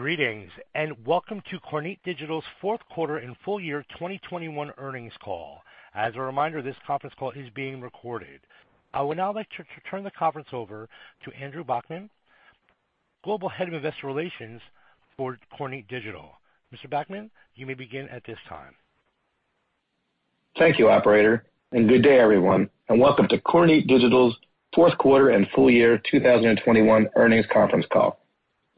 Greetings, and welcome to Kornit Digital's fourth quarter and full year 2021 earnings call. As a reminder, this conference call is being recorded. I would now like to turn the conference over to Andrew Backman, Global Head of Investor Relations for Kornit Digital. Mr. Backman, you may begin at this time. Thank you, operator, and good day, everyone, and welcome to Kornit Digital's fourth quarter and full year 2021 earnings conference call.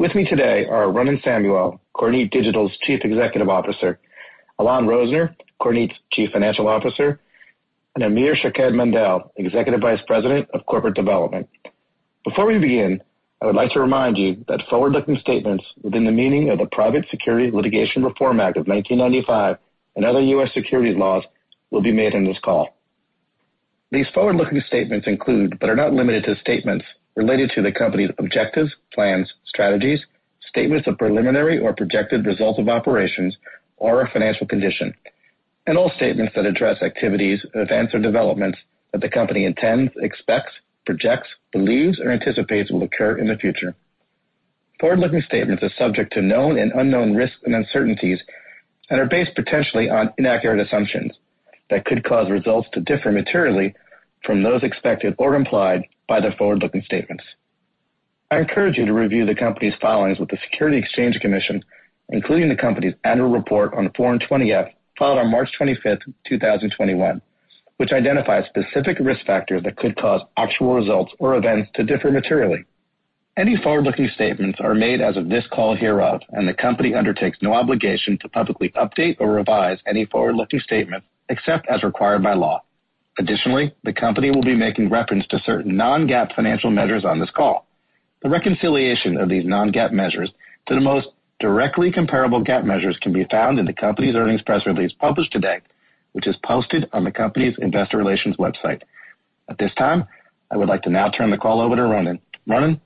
With me today are Ronen Samuel, Kornit Digital's Chief Executive Officer, Alon Rozner, Kornit's Chief Financial Officer, and Amir Shaked-Mandel, Executive Vice President of Corporate Development. Before we begin, I would like to remind you that forward-looking statements within the meaning of the Private Securities Litigation Reform Act of 1995 and other U.S. securities laws will be made on this call. These forward-looking statements include, but are not limited to statements related to the company's objectives, plans, strategies, statements of preliminary or projected results of operations or financial condition, and all statements that address activities, events or developments that the company intends, expects, projects, believes or anticipates will occur in the future. Forward-looking statements are subject to known and unknown risks and uncertainties and are based potentially on inaccurate assumptions that could cause results to differ materially from those expected or implied by the forward-looking statements. I encourage you to review the company's filings with the Securities and Exchange Commission, including the company's annual report on Form 20-F filed on March 25th, 2021, which identifies specific risk factors that could cause actual results or events to differ materially. Any forward-looking statements are made as of this call hereof, and the company undertakes no obligation to publicly update or revise any forward-looking statement, except as required by law. Additionally, the company will be making reference to certain non-GAAP financial measures on this call. The reconciliation of these non-GAAP measures to the most directly comparable GAAP measures can be found in the company's earnings press release published today, which is posted on the company's investor relations website. At this time, I would like to now turn the call over to Ronen. Ronen?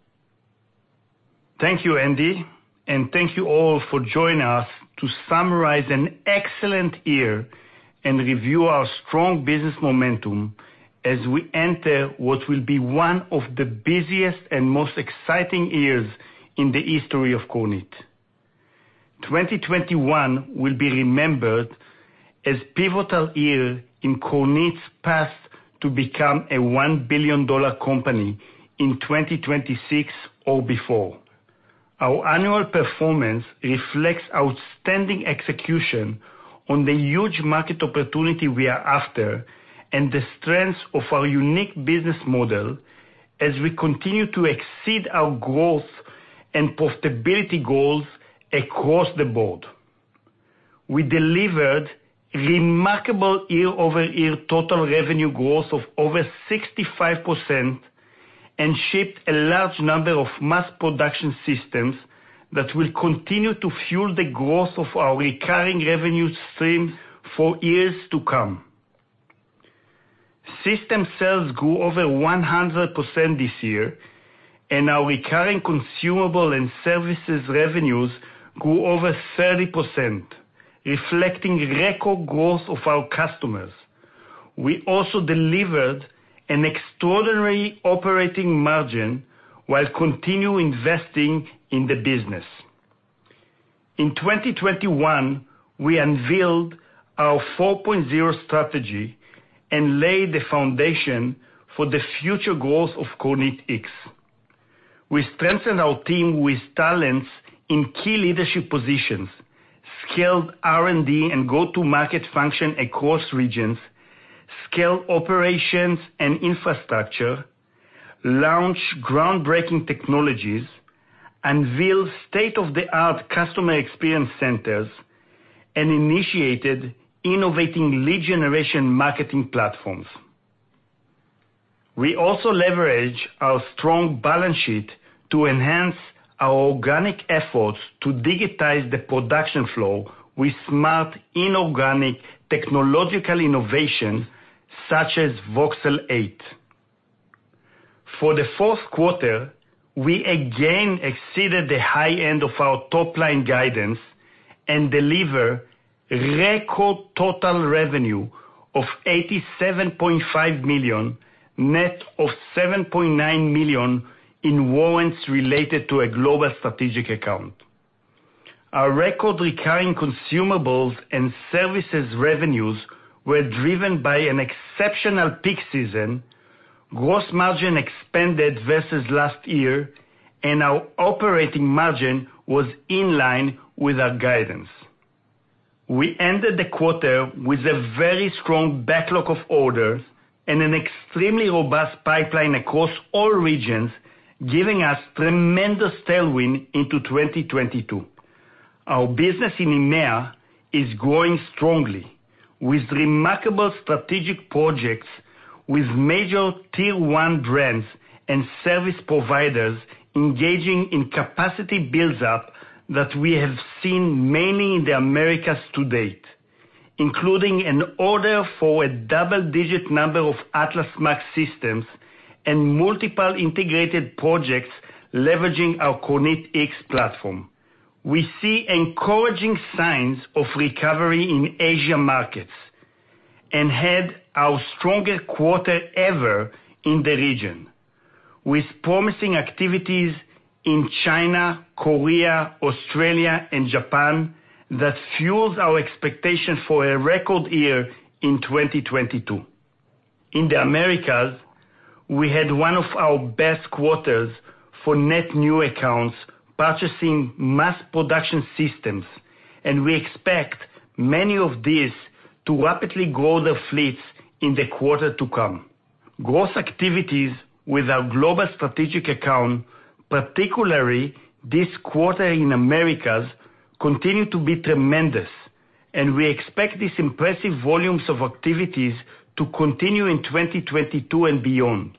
Thank you, Andy, and thank you all for joining us to summarize an excellent year and review our strong business momentum as we enter what will be one of the busiest and most exciting years in the history of Kornit. 2021 will be remembered as a pivotal year in Kornit's path to become a $1 billion company in 2026 or before. Our annual performance reflects outstanding execution on the huge market opportunity we are after and the strength of our unique business model as we continue to exceed our growth and profitability goals across the board. We delivered remarkable year-over-year total revenue growth of over 65% and shipped a large number of mass production systems that will continue to fuel the growth of our recurring revenue stream for years to come. System sales grew over 100% this year, and our recurring consumable and services revenues grew over 30%, reflecting record growth of our customers. We also delivered an extraordinary operating margin while we continue investing in the business. In 2021, we unveiled our 4.0 strategy and laid the foundation for the future growth of KornitX. We strengthened our team with talent in key leadership positions, skilled R&D and go-to-market functions across regions, skilled operations and infrastructure, launched groundbreaking technologies, unveiled state-of-the-art customer experience centers, and initiated innovative lead generation marketing platforms. We also leveraged our strong balance sheet to enhance our organic efforts to digitize the production flow with smart inorganic technological innovation such as Voxel8. For the fourth quarter, we again exceeded the high end of our top-line guidance and delivered record total revenue of $87.5 million, net of $7.9 million in warrants related to a global strategic account. Our record recurring consumables and services revenues were driven by an exceptional peak season. Gross margin expanded versus last year, and our operating margin was in line with our guidance. We ended the quarter with a very strong backlog of orders and an extremely robust pipeline across all regions, giving us tremendous tailwind into 2022. Our business in EMEA is growing strongly, with remarkable strategic projects with major Tier 1 brands and service providers engaging in capacity build-up that we have seen mainly in the Americas to date, including an order for a double-digit number of Atlas MAX systems and multiple integrated projects leveraging our KornitX platform. We see encouraging signs of recovery in Asia markets. We had our strongest quarter ever in the region with promising activities in China, Korea, Australia, and Japan that fuels our expectation for a record year in 2022. In the Americas, we had one of our best quarters for net new accounts purchasing mass production systems, and we expect many of these to rapidly grow their fleets in the quarter to come. Growth activities with our global strategic account, particularly this quarter in Americas, continue to be tremendous, and we expect these impressive volumes of activities to continue in 2022 and beyond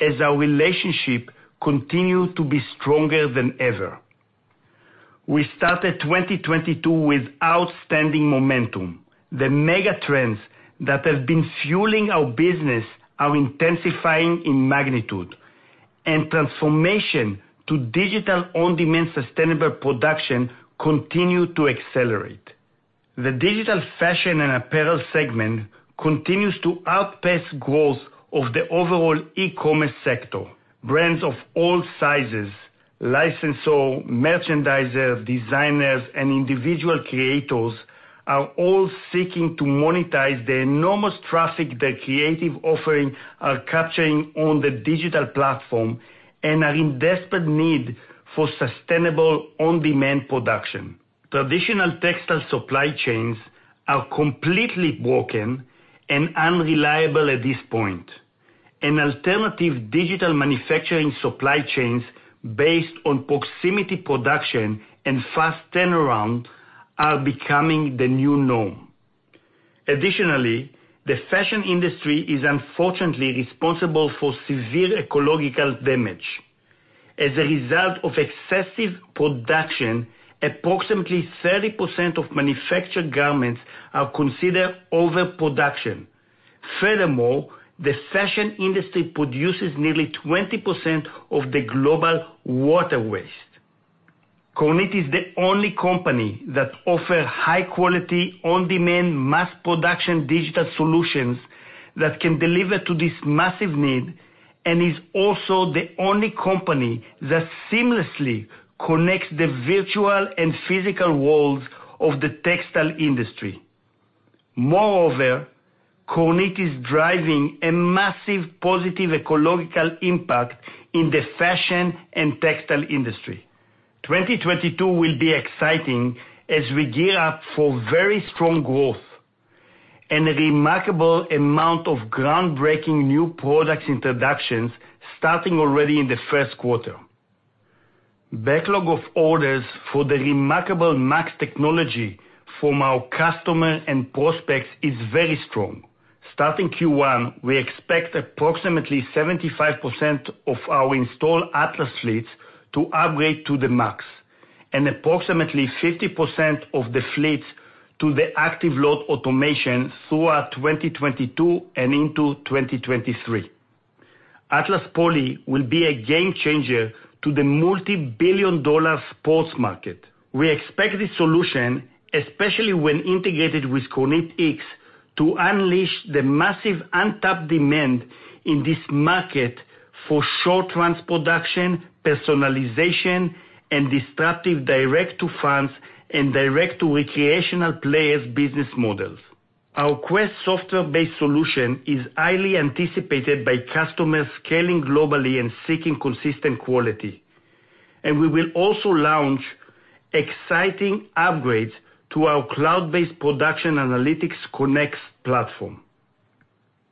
as our relationship continue to be stronger than ever. We started 2022 with outstanding momentum. The mega trends that have been fueling our business are intensifying in magnitude, and transformation to digital on-demand sustainable production continue to accelerate. The digital fashion and apparel segment continues to outpace growth of the overall e-commerce sector. Brands of all sizes, licensors, merchandisers, designers, and individual creators, are all seeking to monetize the enormous traffic their creative offering are capturing on the digital platform and are in desperate need for sustainable on-demand production. Traditional textile supply chains are completely broken and unreliable at this point. An alternative digital manufacturing supply chains based on proximity production and fast turnaround are becoming the new norm. Additionally, the fashion industry is unfortunately responsible for severe ecological damage. As a result of excessive production, approximately 30% of manufactured garments are considered overproduction. Furthermore, the fashion industry produces nearly 20% of the global water waste. Kornit is the only company that offer high quality on-demand mass production digital solutions that can deliver to this massive need and is also the only company that seamlessly connects the virtual and physical worlds of the textile industry. Moreover, Kornit is driving a massive positive ecological impact in the fashion and textile industry. 2022 will be exciting as we gear up for very strong growth and a remarkable amount of groundbreaking new products introductions starting already in the first quarter. Backlog of orders for the remarkable MAX Technology from our customer and prospects is very strong. Starting Q1, we expect approximately 75% of our installed Atlas fleets to upgrade to the MAX, and approximately 50% of the fleets to the ActiveLoad Automation throughout 2022 and into 2023. Atlas POLY will be a game changer to the multi-billion-dollar sports market. We expect this solution, especially when integrated with KornitX, to unleash the massive untapped demand in this market for short-run production, personalization, and disruptive direct to fans and direct to recreational players business models. Our quest software-based solution is highly anticipated by customers scaling globally and seeking consistent quality. We will also launch exciting upgrades to our cloud-based production analytics Kornit Konnect platform.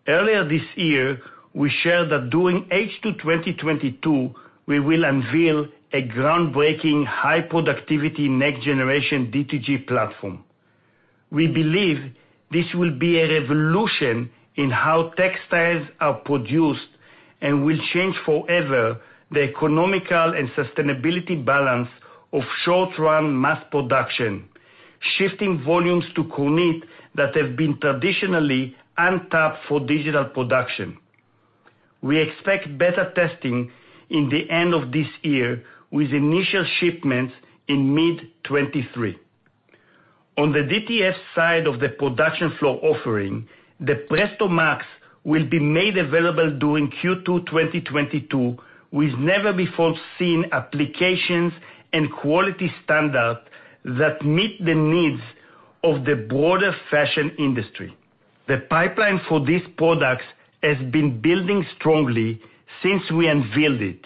Earlier this year, we shared that during H2 2022, we will unveil a groundbreaking high productivity next generation DTG platform. We believe this will be a revolution in how textiles are produced and will change forever the economical and sustainability balance of short-run mass production, shifting volumes to Kornit that have been traditionally untapped for digital production. We expect beta testing in the end of this year, with initial shipments in mid-2023. On the DTF side of the production flow offering, the Presto MAX will be made available during Q2 2022 with never before seen applications and quality standard that meet the needs of the broader fashion industry. The pipeline for these products has been building strongly since we unveiled it,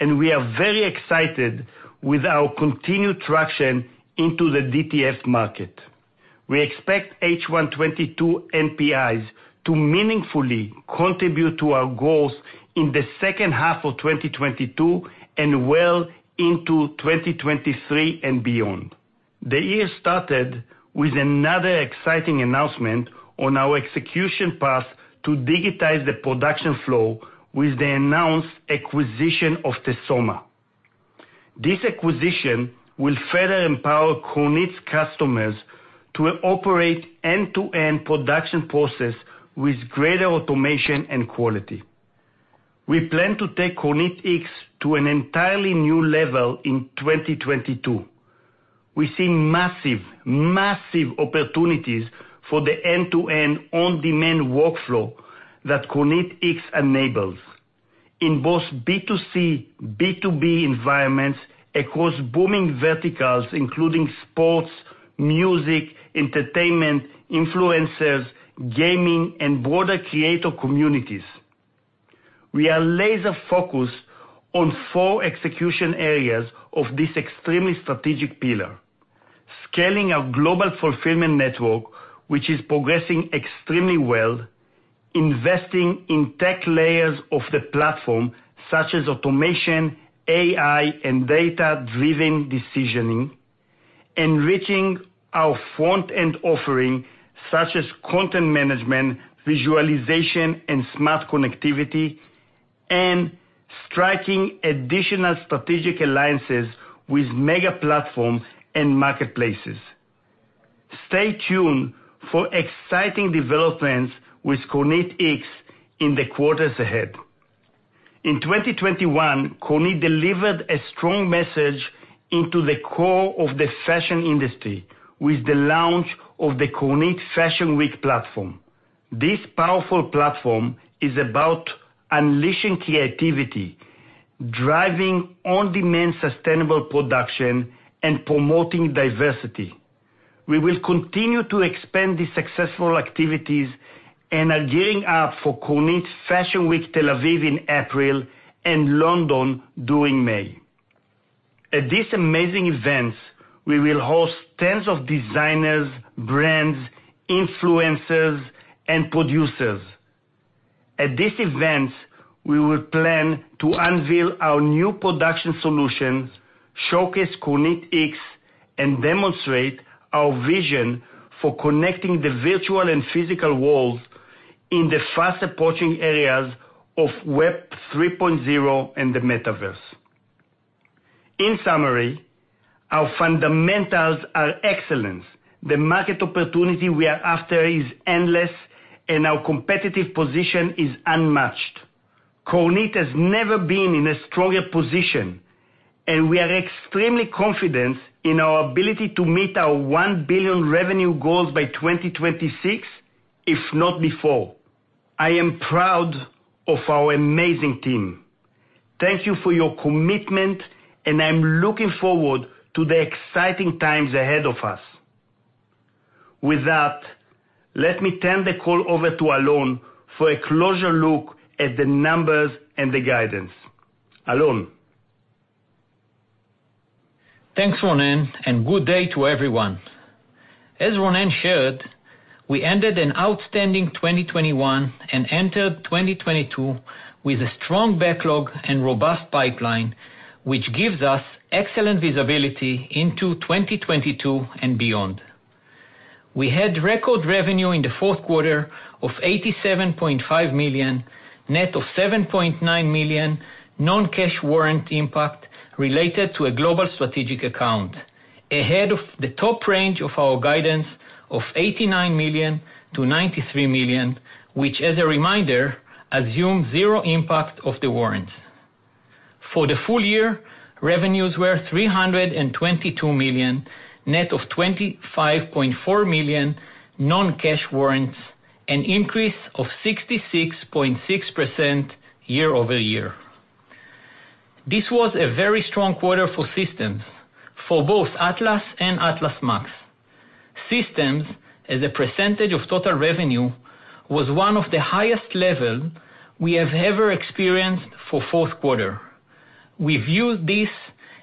and we are very excited with our continued traction into the DTF market. We expect H1 2022 NPIs to meaningfully contribute to our growth in the second half of 2022 and well into 2023 and beyond. The year started with another exciting announcement on our execution path to digitize the production flow with the announced acquisition of Tesoma. This acquisition will further empower Kornit's customers to operate end-to-end production process with greater automation and quality. We plan to take KornitX to an entirely new level in 2022. We see massive opportunities for the end-to-end on-demand workflow that KornitX enables in both B2C, B2B environments across booming verticals, including sports, music, entertainment, influencers, gaming, and broader creator communities. We are laser-focused on four execution areas of this extremely strategic pillar. Scaling our global fulfillment network, which is progressing extremely well, investing in tech layers of the platform such as automation, AI, and data-driven decisioning, enriching our front-end offering, such as content management, visualization, and smart connectivity, and striking additional strategic alliances with mega platforms and marketplaces. Stay tuned for exciting developments with KornitX in the quarters ahead. In 2021, Kornit delivered a strong message into the core of the fashion industry with the launch of the Kornit Fashion Week platform. This powerful platform is about unleashing creativity, driving on-demand sustainable production, and promoting diversity. We will continue to expand the successful activities and are gearing up for Kornit Fashion Week Tel Aviv in April and London during May. At these amazing events, we will host tens of designers, brands, influencers, and producers. At these events, we will plan to unveil our new production solutions, showcase KornitX, and demonstrate our vision for connecting the virtual and physical worlds in the fast-approaching areas of Web 3.0 and the Metaverse. In summary, our fundamentals are excellent. The market opportunity we are after is endless, and our competitive position is unmatched. Kornit has never been in a stronger position, and we are extremely confident in our ability to meet our $1 billion revenue goals by 2026, if not before. I am proud of our amazing team. Thank you for your commitment, and I'm looking forward to the exciting times ahead of us. With that, let me turn the call over to Alon for a closer look at the numbers and the guidance. Alon. Thanks, Ronen, and good day to everyone. As Ronen shared, we ended an outstanding 2021 and entered 2022 with a strong backlog and robust pipeline, which gives us excellent visibility into 2022 and beyond. We had record revenue in the fourth quarter of $87.5 million, net of $7.9 million non-cash warrant impact related to a global strategic account. Ahead of the top range of our guidance of $89 million-$93 million, which as a reminder, assumes zero impact of the warrants. For the full year, revenues were $322 million, net of $25.4 million, non-cash warrants, an increase of 66.6% year-over-year. This was a very strong quarter for systems, for both Atlas and Atlas MAX. Systems, as a percentage of total revenue, was one of the highest level we have ever experienced for fourth quarter. We view this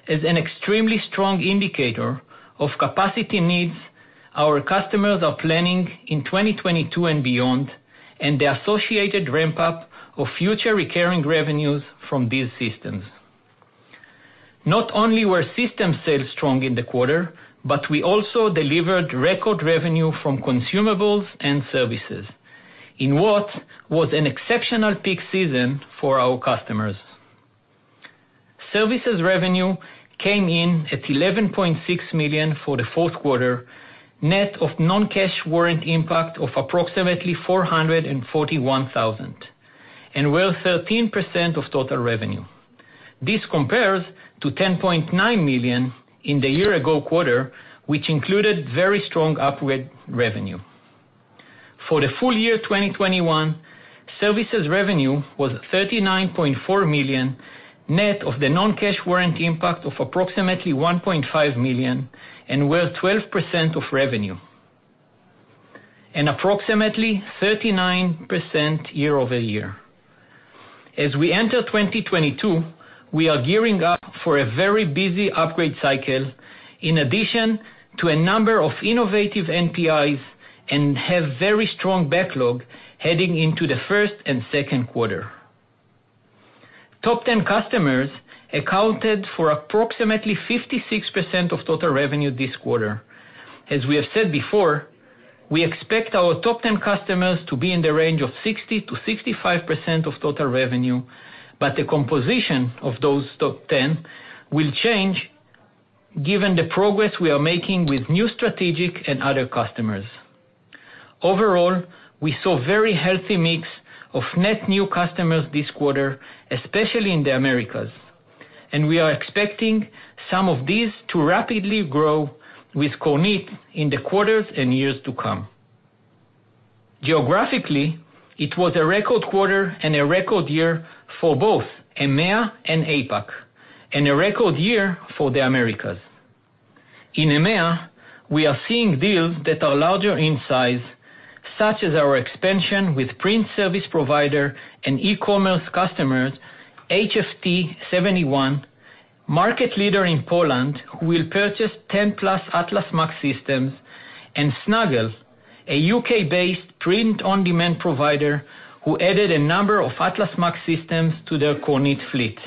as an extremely strong indicator of capacity needs our customers are planning in 2022 and beyond, and the associated ramp-up of future recurring revenues from these systems. Not only were systems sales strong in the quarter, but we also delivered record revenue from consumables and services in what was an exceptional peak season for our customers. Services revenue came in at $11.6 million for the fourth quarter, net of non-cash warrant impact of approximately $441,000, and were 13% of total revenue. This compares to $10.9 million in the year-ago quarter, which included very strong upgrade revenue. For the full year 2021, services revenue was $39.4 million, net of the non-cash warrant impact of approximately $1.5 million, and were 12% of revenue, and approximately 39% year-over-year. As we enter 2022, we are gearing up for a very busy upgrade cycle in addition to a number of innovative NPIs, and have very strong backlog heading into the first and second quarter. Top 10 customers accounted for approximately 56% of total revenue this quarter. As we have said before, we expect our top 10 customers to be in the range of 60%-65% of total revenue, but the composition of those top 10 will change given the progress we are making with new strategic and other customers. Overall, we saw very healthy mix of net new customers this quarter, especially in the Americas, and we are expecting some of these to rapidly grow with Kornit in the quarters and years to come. Geographically, it was a record quarter and a record year for both EMEA and APAC and a record year for the Americas. In EMEA, we are seeing deals that are larger in size, such as our expansion with print service provider and e-commerce customers, HFT71, market leader in Poland, who will purchase 10+ Atlas MAX systems, and Snuggle, a U.K.-based print-on-demand provider who added a number of Atlas MAX systems to their Kornit fleet.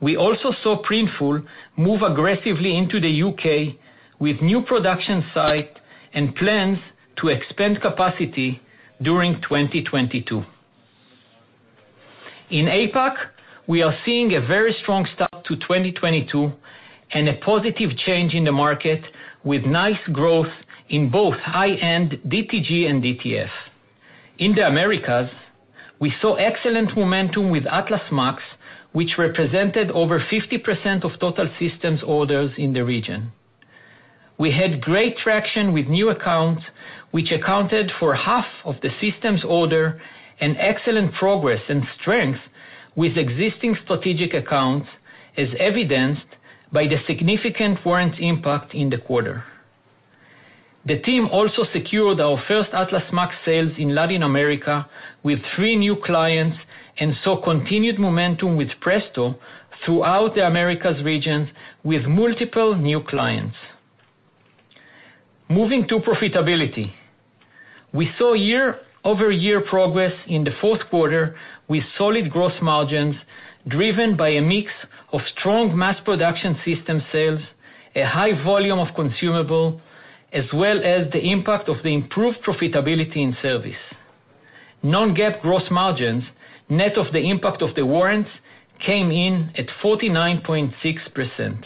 We also saw Printful move aggressively into the U.K. with new production site and plans to expand capacity during 2022. In APAC, we are seeing a very strong start to 2022 and a positive change in the market with nice growth in both high-end DTG and DTF. In the Americas, we saw excellent momentum with Atlas MAX, which represented over 50% of total systems orders in the region. We had great traction with new accounts, which accounted for half of the system's order and excellent progress and strength with existing strategic accounts, as evidenced by the significant warrants impact in the quarter. The team also secured our first Atlas MAX sales in Latin America with three new clients and saw continued momentum with Presto throughout the Americas regions with multiple new clients. Moving to profitability, we saw year-over-year progress in the fourth quarter with solid gross margins driven by a mix of strong mass production system sales, a high volume of consumable, as well as the impact of the improved profitability in service. non-GAAP gross margins, net of the impact of the warrants, came in at 49.6%.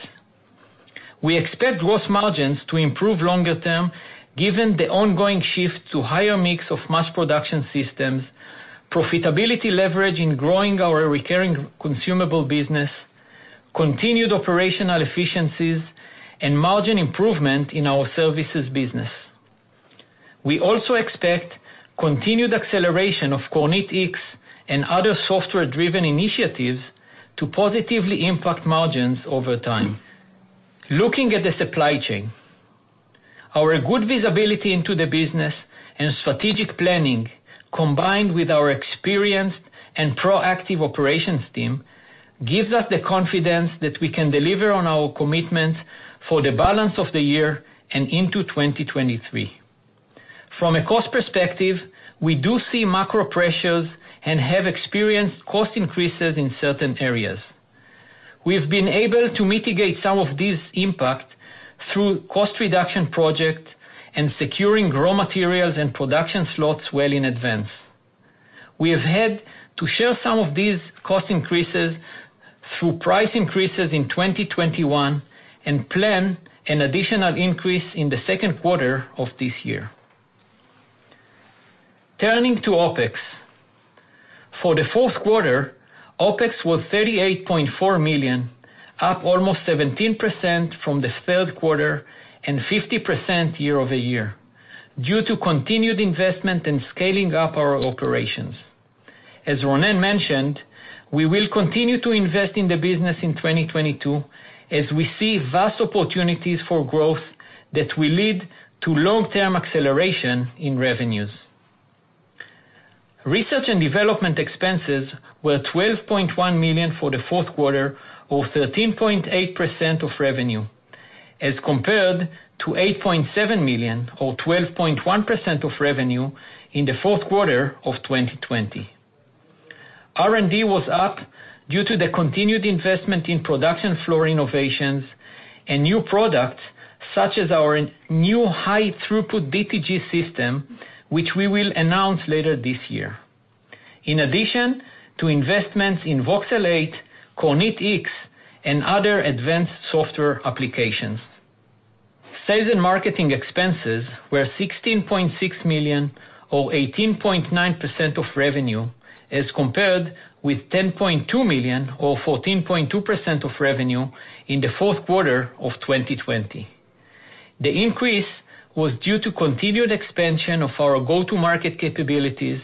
We expect gross margins to improve longer term given the ongoing shift to higher mix of mass production systems, profitability leverage in growing our recurring consumable business, continued operational efficiencies, and margin improvement in our services business. We also expect continued acceleration of KornitX and other software-driven initiatives to positively impact margins over time. Looking at the supply chain. Our good visibility into the business and strategic planning, combined with our experienced and proactive operations team, gives us the confidence that we can deliver on our commitments for the balance of the year and into 2023. From a cost perspective, we do see macro pressures and have experienced cost increases in certain areas. We've been able to mitigate some of this impact through cost reduction projects and securing raw materials and production slots well in advance. We have had to share some of these cost increases through price increases in 2021 and plan an additional increase in the second quarter of this year. Turning to OpEx. For the fourth quarter, OpEx was $38.4 million, up almost 17% from the third quarter and 50% year-over-year due to continued investment and scaling up our operations. As Ronen mentioned, we will continue to invest in the business in 2022 as we see vast opportunities for growth that will lead to long-term acceleration in revenues. Research and development expenses were $12.1 million for the fourth quarter or 13.8% of revenue, as compared to $8.7 million or 12.1% of revenue in the fourth quarter of 2020. R&D was up due to the continued investment in production floor innovations and new products such as our new high throughput DTG system, which we will announce later this year, in addition to investments in Voxel8, KornitX, and other advanced software applications. Sales and marketing expenses were $16.6 million or 18.9% of revenue, as compared with $10.2 million or 14.2% of revenue in the fourth quarter of 2020. The increase was due to continued expansion of our go-to-market capabilities,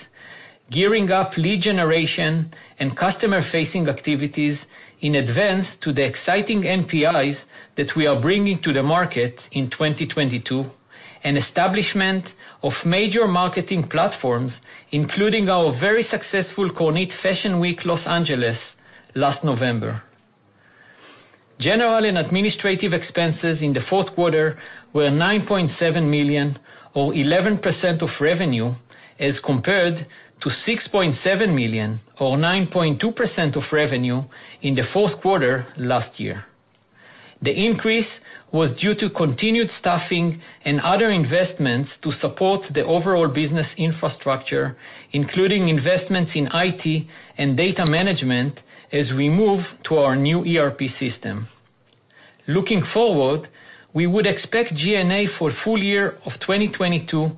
gearing up lead generation and customer-facing activities in advance to the exciting NPIs that we are bringing to the market in 2022, and establishment of major marketing platforms, including our very successful Kornit Fashion Week Los Angeles last November. General and administrative expenses in the fourth quarter were $9.7 million or 11% of revenue, as compared to $6.7 million or 9.2% of revenue in the fourth quarter last year. The increase was due to continued staffing and other investments to support the overall business infrastructure, including investments in IT and data management as we move to our new ERP system. Looking forward, we would expect G&A for full year of 2022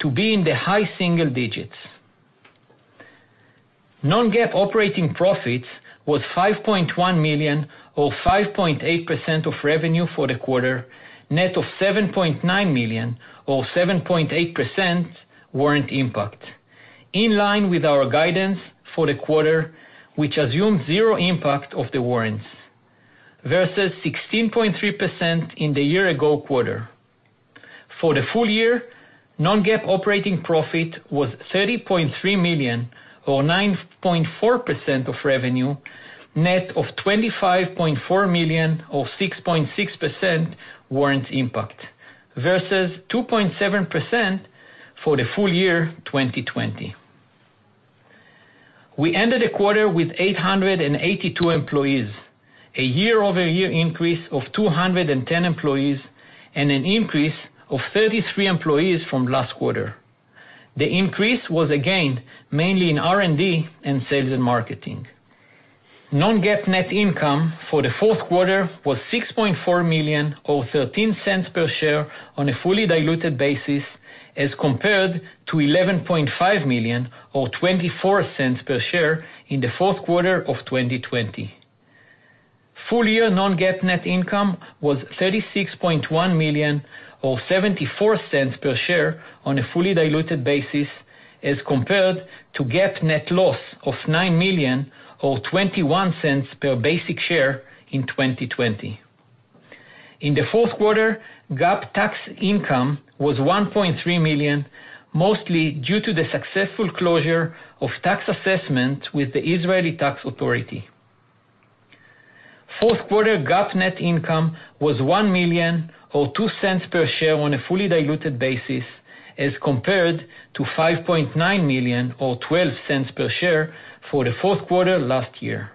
to be in the high single digits. Non-GAAP operating profits was $5.1 million or 5.8% of revenue for the quarter, net of $7.9 million or 7.8% warrant impact, in line with our guidance for the quarter, which assumed zero impact of the warrants versus 16.3% in the year ago quarter. For the full year, non-GAAP operating profit was $30.3 million or 9.4% of revenue, net of $25.4 million or 6.6% warrant impact versus 2.7% for the full year 2020. We ended the quarter with 882 employees, a year-over-year increase of 210 employees and an increase of 33 employees from last quarter. The increase was, again, mainly in R&D and sales and marketing. Non-GAAP net income for the fourth quarter was $6.4 million or $0.13 per share on a fully diluted basis as compared to $11.5 million or $0.24 per share in the fourth quarter of 2020. Full year non-GAAP net income was $36.1 million or $0.74 per share on a fully diluted basis as compared to GAAP net loss of $9 million or $0.21 per basic share in 2020. In the fourth quarter, GAAP tax income was $1.3 million, mostly due to the successful closure of tax assessment with the Israel Tax Authority. Fourth quarter GAAP net income was $1 million or $0.02 per share on a fully diluted basis as compared to $5.9 million or $0.12 per share for the fourth quarter last year.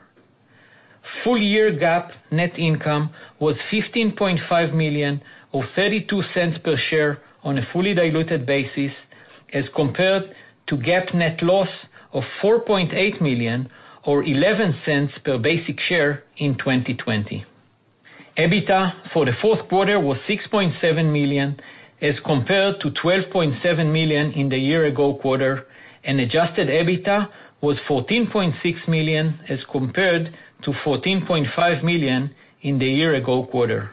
Full year GAAP net income was $15.5 million or $0.32 per share on a fully diluted basis as compared to GAAP net loss of $4.8 million or $0.11 per basic share in 2020. EBITDA for the fourth quarter was $6.7 million as compared to $12.7 million in the year ago quarter, and adjusted EBITDA was $14.6 million as compared to $14.5 million in the year ago quarter.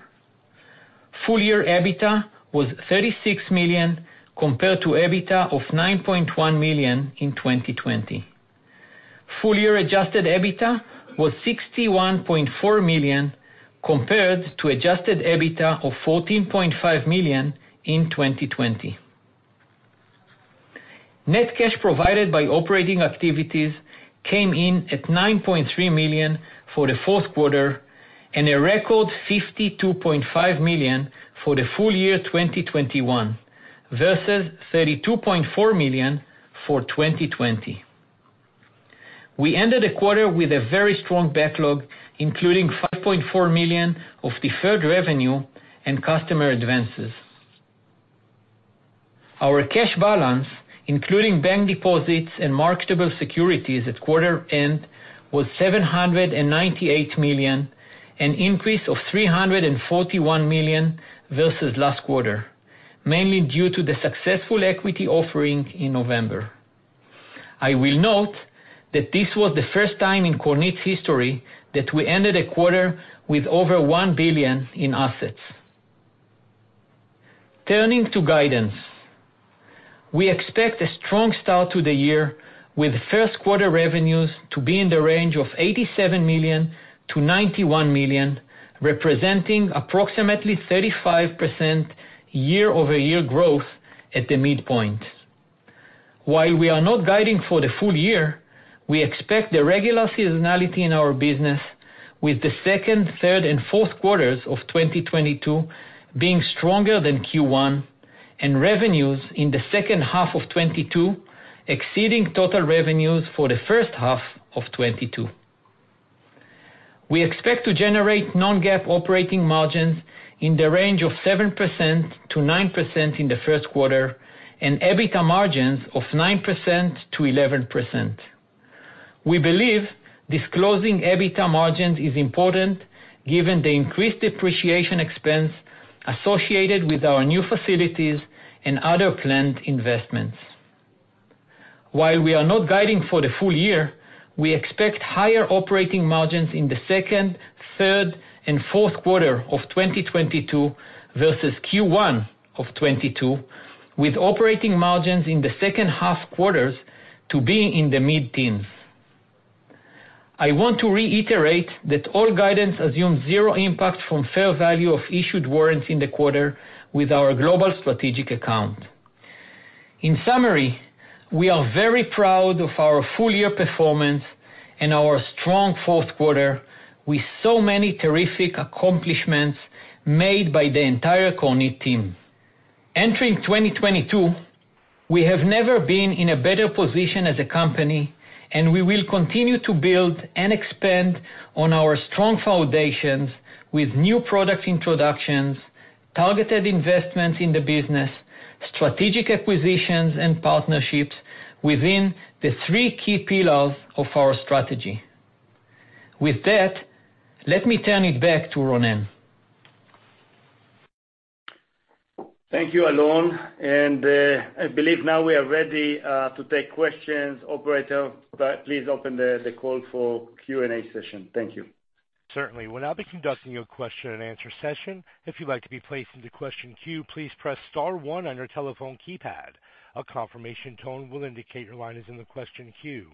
Full year EBITDA was $36 million compared to EBITDA of $9.1 million in 2020. Full year adjusted EBITDA was $61.4 million compared to adjusted EBITDA of $14.5 million in 2020. Net cash provided by operating activities came in at $9.3 million for the fourth quarter and a record $52.5 million for the full year 2021 versus $32.4 million for 2020. We ended the quarter with a very strong backlog, including $5.4 million of deferred revenue and customer advances. Our cash balance, including bank deposits and marketable securities at quarter end, was $798 million, an increase of $341 million versus last quarter, mainly due to the successful equity offering in November. I will note that this was the first time in Kornit's history that we ended a quarter with over $1 billion in assets. Turning to guidance. We expect a strong start to the year with first quarter revenues to be in the range of $87 million-$91 million, representing approximately 35% year-over-year growth at the midpoint. While we are not guiding for the full year, we expect the regular seasonality in our business with the second, third, and fourth quarters of 2022 being stronger than Q1 and revenues in the second half of 2022 exceeding total revenues for the first half of 2022. We expect to generate non-GAAP operating margins in the range of 7%-9% in the first quarter and EBITDA margins of 9%-11%. We believe disclosing EBITDA margins is important given the increased depreciation expense associated with our new facilities and other planned investments. While we are not guiding for the full year, we expect higher operating margins in the second, third, and fourth quarter of 2022 versus Q1 of 2022, with operating margins in the second half quarters to be in the mid-teens. I want to reiterate that all guidance assumes zero impact from fair value of issued warrants in the quarter with our global strategic account. In summary, we are very proud of our full year performance and our strong fourth quarter with so many terrific accomplishments made by the entire Kornit team. Entering 2022, we have never been in a better position as a company, and we will continue to build and expand on our strong foundations with new product introductions. Targeted investments in the business, strategic acquisitions and partnerships within the three key pillars of our strategy. With that, let me turn it back to Ronen. Thank you, Alon. I believe now we are ready to take questions. Operator, please open the call for Q&A session. Thank you. Certainly. We'll now be conducting your question and answer session. If you'd like to be placed into question queue, please press star one on your telephone keypad. A confirmation tone will indicate your line is in the question queue.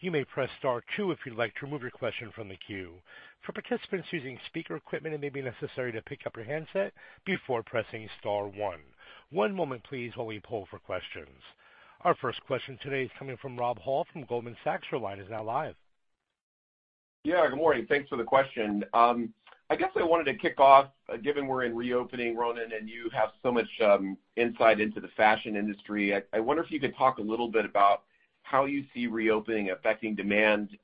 You may press star two if you'd like to remove your question from the queue. For participants using speaker equipment, it may be necessary to pick up your handset before pressing star one. One moment please, while we poll for questions. Our first question today is coming from Rod Hall from Goldman Sachs. Your line is now live. Yeah, good morning. Thanks for the question. I guess I wanted to kick off, given we're in reopening, Ronen, and you have so much insight into the fashion industry. I wonder if you could talk a little bit about how you see reopening affecting demand,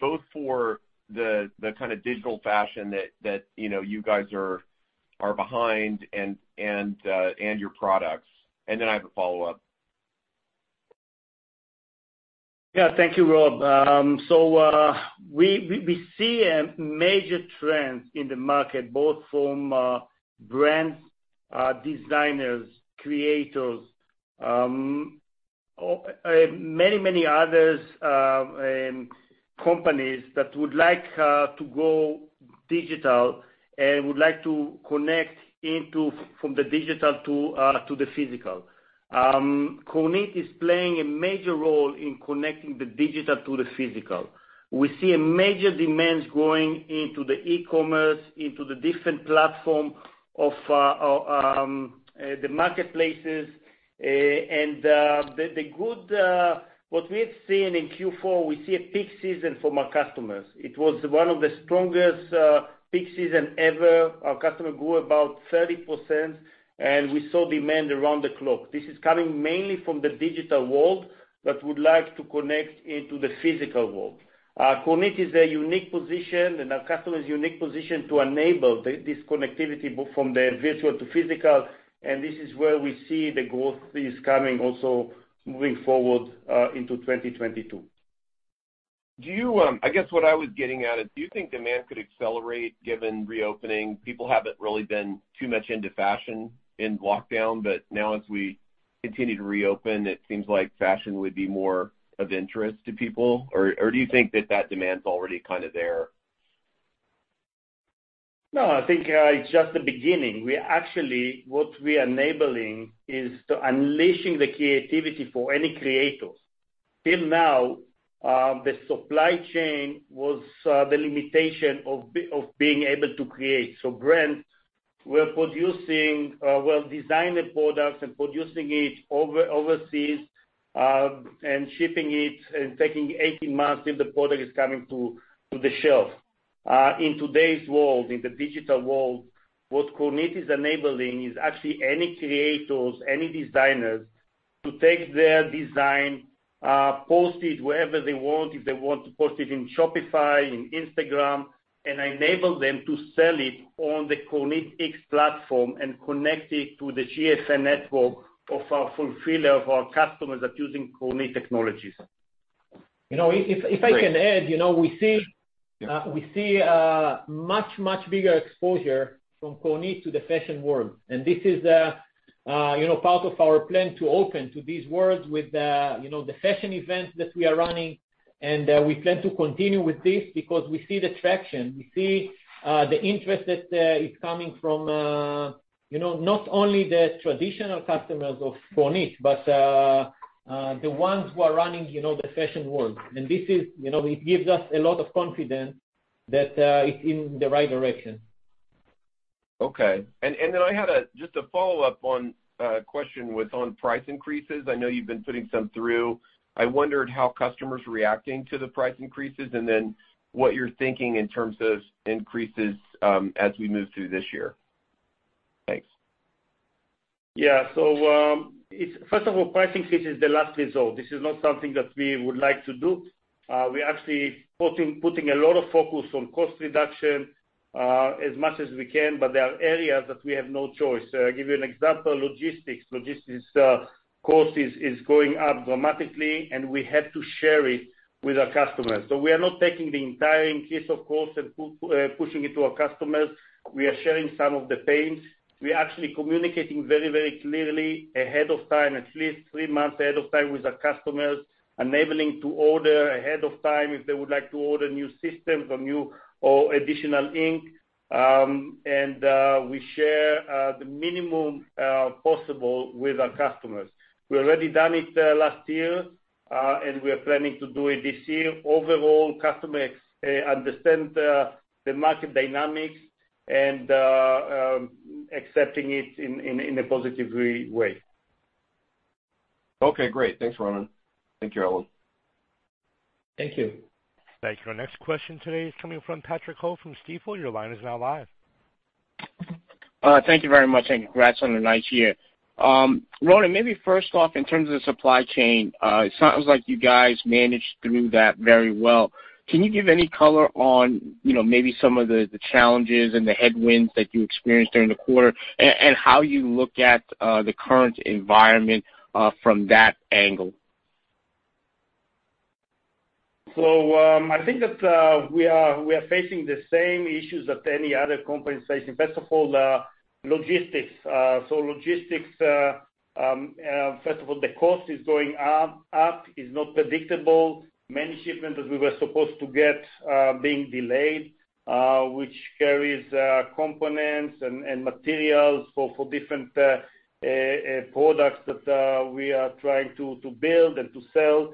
both for the kind of digital fashion that you know you guys are behind and your products. I have a follow-up. Yeah. Thank you, Rod. So, we see a major trend in the market, both from brands, designers, creators, many others, companies that would like to go digital and would like to connect into from the digital to the physical. Kornit is playing a major role in connecting the digital to the physical. We see a major demand going into the e-commerce, into the different platform of the marketplaces. What we've seen in Q4, we see a peak season from our customers. It was one of the strongest peak season ever. Our customer grew about 30%, and we saw demand around the clock. This is coming mainly from the digital world that would like to connect into the physical world. Kornit is in a unique position, and our customers are in a unique position to enable this connectivity from the virtual to physical, and this is where we see the growth is coming also moving forward, into 2022. Do you, I guess what I was getting at is, do you think demand could accelerate given reopening? People haven't really been too much into fashion in lockdown, but now as we continue to reopen, it seems like fashion would be more of interest to people. Do you think that demand's already kind of there? No, I think it's just the beginning. We actually what we are enabling is to unleashing the creativity for any creators. Till now the supply chain was the limitation of being able to create. Brands were producing, well, designing products and producing it overseas and shipping it and taking 18 months if the product is coming to the shelf. In today's world, in the digital world, what Kornit is enabling is actually any creators, any designers to take their design, post it wherever they want. If they want to post it in Shopify, in Instagram, and enable them to sell it on the KornitX platform and connect it to the GFN network of our fulfiller, of our customers that using Kornit technologies. You know, if I can add, you know, we see a much bigger exposure from Kornit to the fashion world. This is you know, part of our plan to open to these worlds with you know, the fashion events that we are running. We plan to continue with this because we see the traction. We see the interest that is coming from you know, not only the traditional customers of Kornit, but the ones who are running you know, the fashion world. This is you know, it gives us a lot of confidence that it's in the right direction. Okay. I had just a follow-up on a question on price increases. I know you've been putting some through. I wondered how customers reacting to the price increases, and then what you're thinking in terms of increases as we move through this year. Thanks. First of all, pricing increase is the last resort. This is not something that we would like to do. We're actually putting a lot of focus on cost reduction as much as we can, but there are areas that we have no choice. I'll give you an example, logistics cost is going up dramatically, and we have to share it with our customers. We are not taking the entire increase of cost and pushing it to our customers. We are sharing some of the pains. We are actually communicating very, very clearly ahead of time, at least three months ahead of time with our customers, enabling to order ahead of time if they would like to order new systems or new or additional ink. We share the minimum possible with our customers. We already done it last year, and we are planning to do it this year. Overall, customers understand the market dynamics and accepting it in a positively way. Okay, great. Thanks, Ronen. Thank you, Alon. Thank you. Thank you. Our next question today is coming from Patrick Ho from Stifel. Your line is now live. Thank you very much, and congrats on a nice year. Ronen, maybe first off, in terms of the supply chain, it sounds like you guys managed through that very well. Can you give any color on, you know, maybe some of the challenges and the headwinds that you experienced during the quarter? And how you look at the current environment from that angle? I think that we are facing the same issues that any other company is facing. First of all, logistics. Logistics, first of all, the cost is going up. It's not predictable. Many shipments that we were supposed to get being delayed, which carries components and materials for different products that we are trying to build and to sell.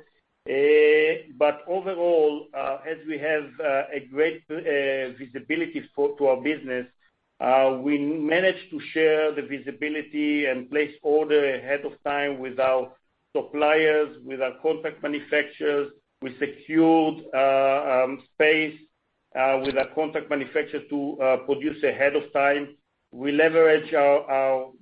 Overall, as we have a great visibility to our business, we managed to share the visibility and place order ahead of time with our suppliers, with our contract manufacturers. We secured space with our contract manufacturer to produce ahead of time. We leverage our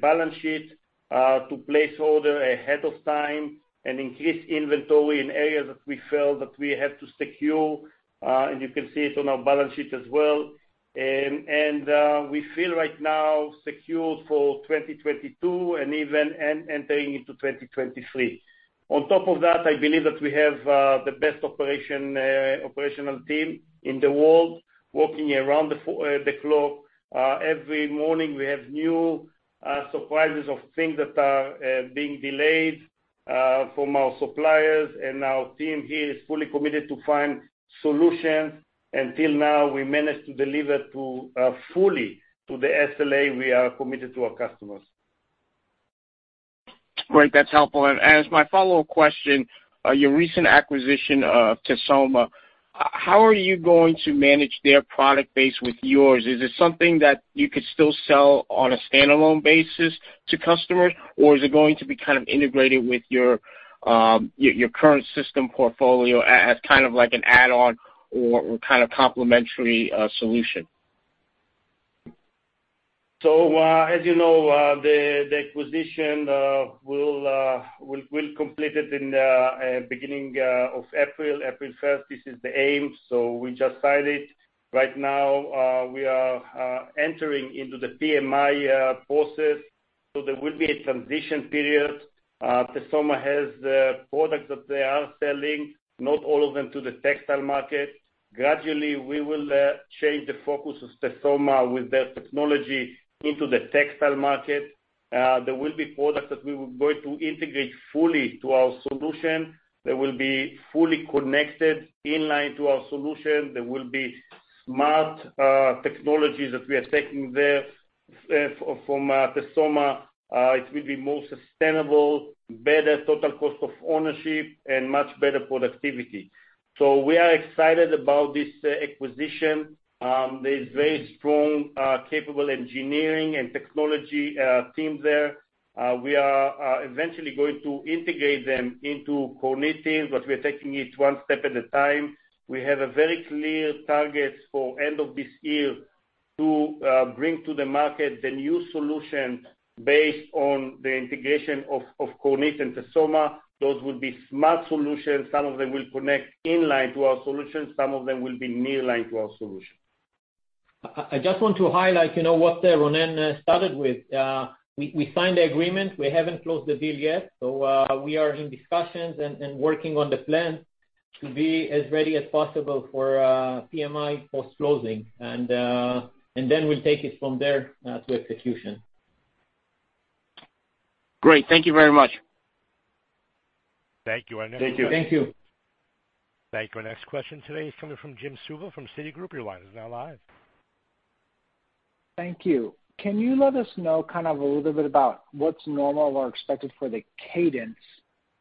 balance sheet to place order ahead of time and increase inventory in areas that we felt that we had to secure, and you can see it on our balance sheet as well. We feel right now secured for 2022 and even entering into 2023. On top of that, I believe that we have the best operational team in the world working around the clock. Every morning, we have new surprises of things that are being delayed from our suppliers, and our team here is fully committed to find solutions. Until now, we managed to deliver fully to the SLA we are committed to our customers. Great. That's helpful. As my follow-up question, your recent acquisition of Tesoma, how are you going to manage their product base with yours? Is it something that you could still sell on a standalone basis to customers, or is it going to be kind of integrated with your your current system portfolio as kind of like an add-on or kinda complementary solution? As you know, the acquisition, we'll complete it in the beginning of April. April 1st, this is the aim. We just signed it. Right now, we are entering into the PMI process, so there will be a transition period. Tesoma has products that they are selling, not all of them to the textile market. Gradually, we will change the focus of Tesoma with their technology into the textile market. There will be products that we were going to integrate fully to our solution. They will be fully connected in line to our solution. There will be smart technologies that we are taking there from Tesoma. It will be more sustainable, better total cost of ownership and much better productivity. We are excited about this acquisition. There's very strong, capable engineering and technology team there. We are eventually going to integrate them into Kornit team, but we're taking it one step at a time. We have a very clear target for end of this year to bring to the market the new solution based on the integration of Kornit and Tesoma. Those will be smart solutions. Some of them will connect in line to our solutions. Some of them will be near line to our solution. I just want to highlight, you know, what Ronen started with. We signed the agreement. We haven't closed the deal yet. We are in discussions and working on the plan to be as ready as possible for PMI post-closing. Then we'll take it from there to execution. Great. Thank you very much. Thank you, Patrick Ho. Thank you. Thank you. Thank you. Our next question today is coming from Jim Suva from Citigroup. Your line is now live. Thank you. Can you let us know kind of a little bit about what's normal or expected for the cadence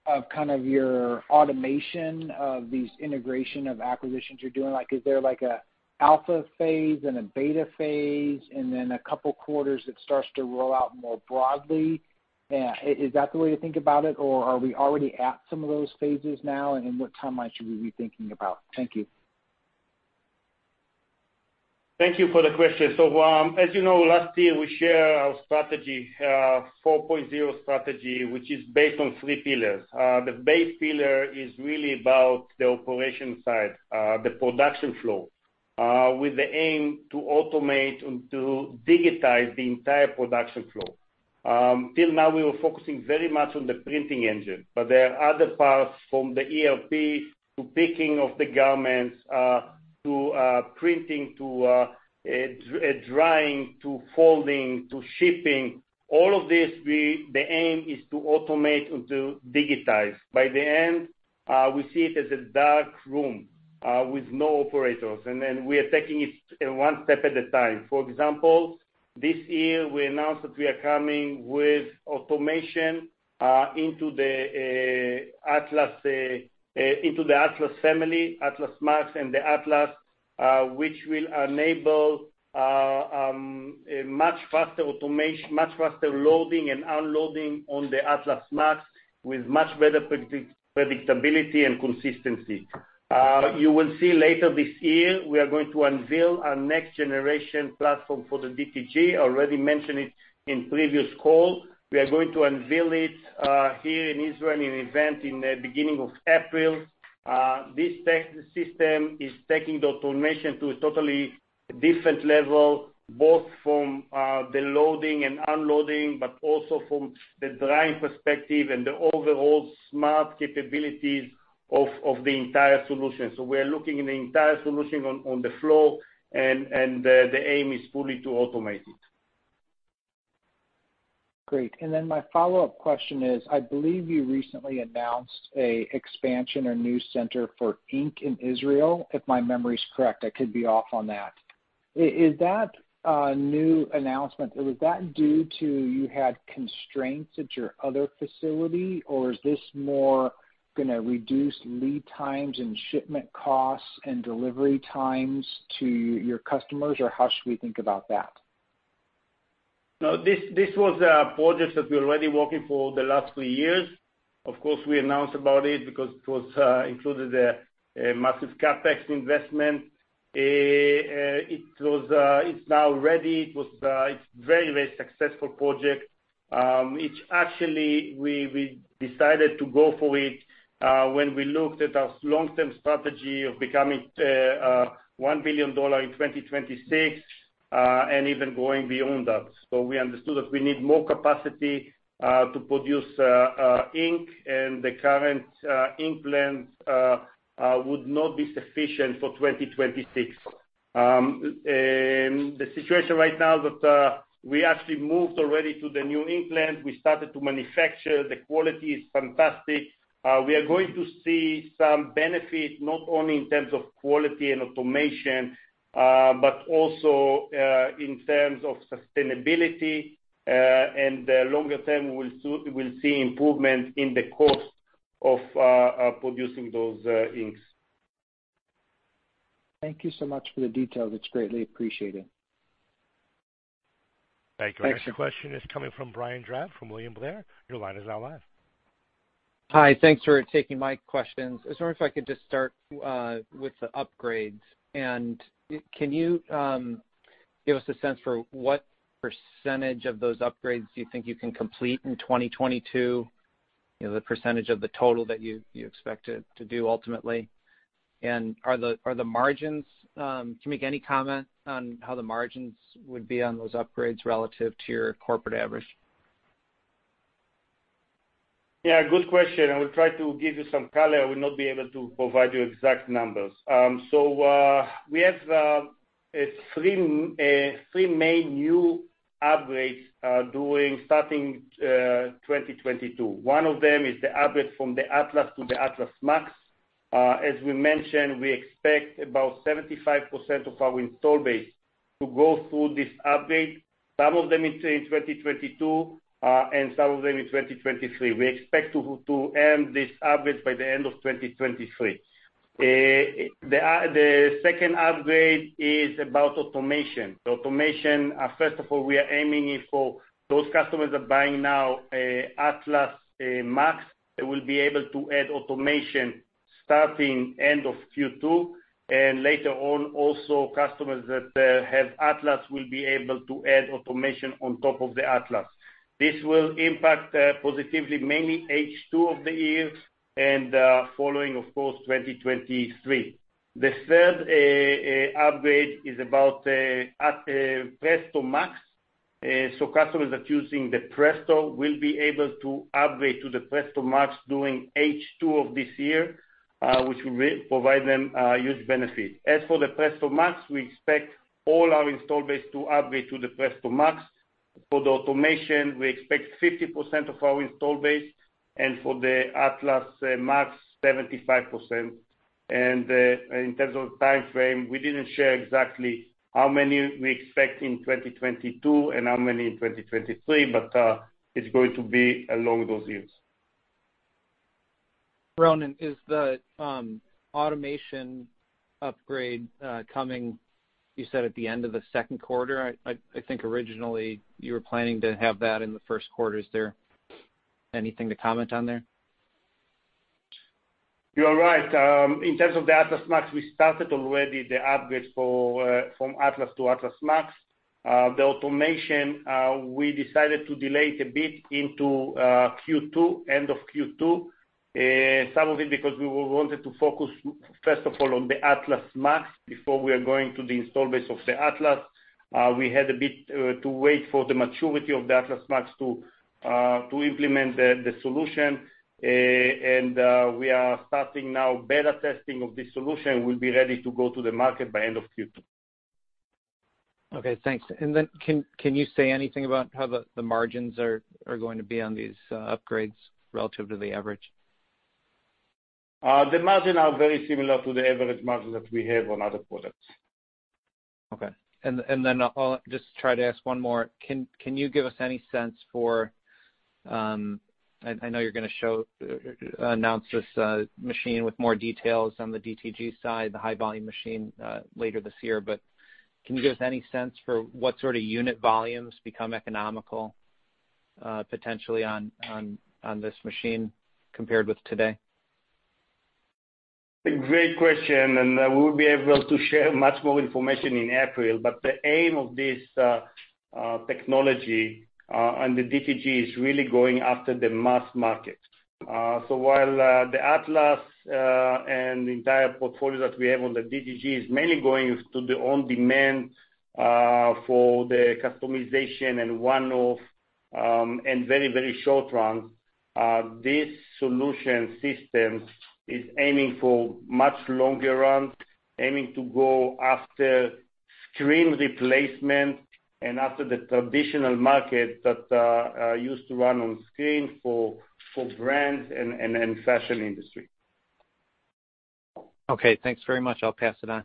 of kind of your automation of these integration of acquisitions you're doing? Like, is there like a alpha phase and a beta phase, and then a couple quarters it starts to roll out more broadly? Is that the way to think about it, or are we already at some of those phases now? What timeline should we be thinking about? Thank you. Thank you for the question. As you know, last year we share our strategy, 4.0 strategy, which is based on three pillars. The base pillar is really about the operation side, the production flow, with the aim to automate and to digitize the entire production flow. Till now, we were focusing very much on the printing engine, but there are other parts from the ERP to picking of the garments, to drying, to folding, to shipping. All of this, the aim is to automate and to digitize. By the end, we see it as a dark room with no operators, and then we are taking it one step at a time. For example, this year we announced that we are coming with automation into the Atlas family, Atlas MAX and the Atlas, which will enable a much faster loading and unloading on the Atlas MAX with much better predictability and consistency. You will see later this year, we are going to unveil our next generation platform for the DTG. I already mentioned it in previous call. We are going to unveil it here in Israel in an event in the beginning of April. This tech system is taking the automation to a totally different level, both from the loading and unloading, but also from the drive perspective and the overall smart capabilities of the entire solution. We are looking into the entire solution on the floor, and the aim is to fully automate it. Great. Then my follow-up question is, I believe you recently announced an expansion or new center for ink in Israel, if my memory is correct. I could be off on that. Is that new announcement was that due to you had constraints at your other facility, or is this more gonna reduce lead times and shipment costs and delivery times to your customers? Or how should we think about that? No, this was a project that we're already working for the last three years. Of course, we announced about it because it included a massive CapEx investment. It is now ready. It is a very successful project. We actually decided to go for it when we looked at our long-term strategy of becoming $1 billion in 2026 and even going beyond that. We understood that we need more capacity to produce ink and the current ink plants would not be sufficient for 2026. The situation right now is that we actually moved already to the new ink plant. We started to manufacture. The quality is fantastic. We are going to see some benefit, not only in terms of quality and automation, but also in terms of sustainability, and longer term, we'll see improvement in the cost of producing those inks. Thank you so much for the detail. That's greatly appreciated. Thank you. Thanks. Next question is coming from Brian Drab from William Blair. Your line is now live. Hi. Thanks for taking my questions. I was wondering if I could just start with the upgrades. Can you give us a sense for what percentage of those upgrades do you think you can complete in 2022? You know, the percentage of the total that you expect it to do ultimately. Are the margins, can you make any comment on how the margins would be on those upgrades relative to your corporate average? Yeah, good question. I will try to give you some color. I will not be able to provide you exact numbers. We have three main new upgrades starting during 2022. One of them is the upgrade from the Atlas to the Atlas MAX. As we mentioned, we expect about 75% of our install base to go through this upgrade, some of them in 2022, and some of them in 2023. We expect to end this upgrade by the end of 2023. The second upgrade is about automation. The automation, first of all, we are aiming it for those customers that are buying now, Atlas MAX, they will be able to add automation starting end of Q2, and later on, also customers that have Atlas will be able to add automation on top of the Atlas. This will impact positively mainly H2 of the year and following of course, 2023. The third upgrade is about the Presto MAX. So customers that using the Presto will be able to upgrade to the Presto MAX during H2 of this year, which will provide them huge benefit. As for the Presto MAX, we expect all our install base to upgrade to the Presto MAX. For the automation, we expect 50% of our install base, and for the Atlas MAX, 75%. In terms of timeframe, we didn't share exactly how many we expect in 2022 and how many in 2023, but it's going to be along those years. Ronen, is the automation upgrade coming, you said, at the end of the second quarter? I think originally you were planning to have that in the first quarter. Is there anything to comment on there? You're right. In terms of the Atlas MAX, we started already the upgrades from Atlas to Atlas MAX. The automation, we decided to delay it a bit into Q2, end of Q2. Some of it because we wanted to focus, first of all, on the Atlas MAX before we are going to the install base of the Atlas. We had a bit to wait for the maturity of the Atlas MAX to implement the solution. We are starting now beta testing of this solution. We'll be ready to go to the market by end of Q2. Okay, thanks. Can you say anything about how the margins are going to be on these upgrades relative to the average? The margins are very similar to the average margin that we have on other products. Okay. Then I'll just try to ask one more. Can you give us any sense for I know you're gonna announce this machine with more details on the DTG side, the high volume machine, later this year. Can you give us any sense for what sort of unit volumes become economical, potentially on this machine compared with today? A great question, and we'll be able to share much more information in April. The aim of this technology and the DTG is really going after the mass market. While the Atlas and the entire portfolio that we have on the DTG is mainly going to the on-demand for the customization and one-off and very short run, this solution system is aiming for much longer run, aiming to go after screen replacement and after the traditional market that used to run on screen for brands and fashion industry. Okay, thanks very much. I'll pass it on.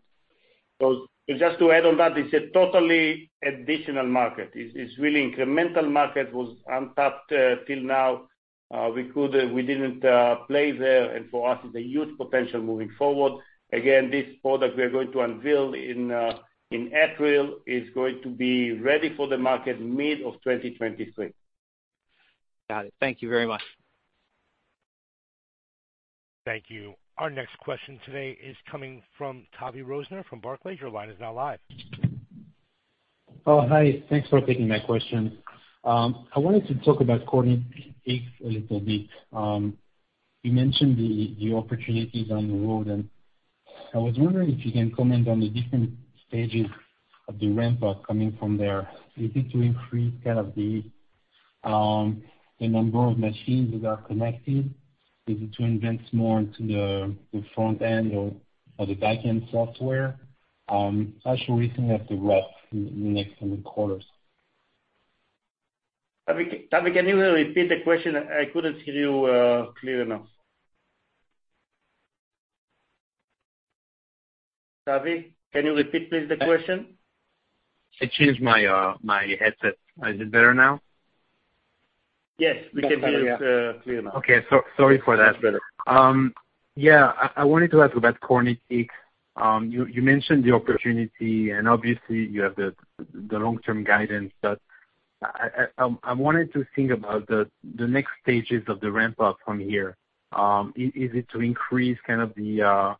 Just to add on that, it's a totally additional market. It's really incremental market, was untapped till now. We didn't play there and for us is a huge potential moving forward. Again, this product we are going to unveil in April is going to be ready for the market mid-2023. Got it. Thank you very much. Thank you. Our next question today is coming from Tavy Rosner from Barclays. Your line is now live. Oh, hi. Thanks for taking my question. I wanted to talk about KornitX a little bit. You mentioned the opportunities on the road, and I was wondering if you can comment on the different stages of the ramp-up coming from there. Is it to increase kind of the number of machines that are connected? Is it to invest more into the front end or the back end software? How should we think of the growth in the next coming quarters? Tavy, can you repeat the question? I couldn't hear you clearly enough. Tavy, can you repeat please the question? I changed my headset. Is it better now? Yes. We can hear it clear now. Okay. Sorry for that. Much better. I wanted to ask about KornitX. You mentioned the opportunity, and obviously you have the long-term guidance. I wanted to think about the next stages of the ramp-up from here. Is it to increase kind of the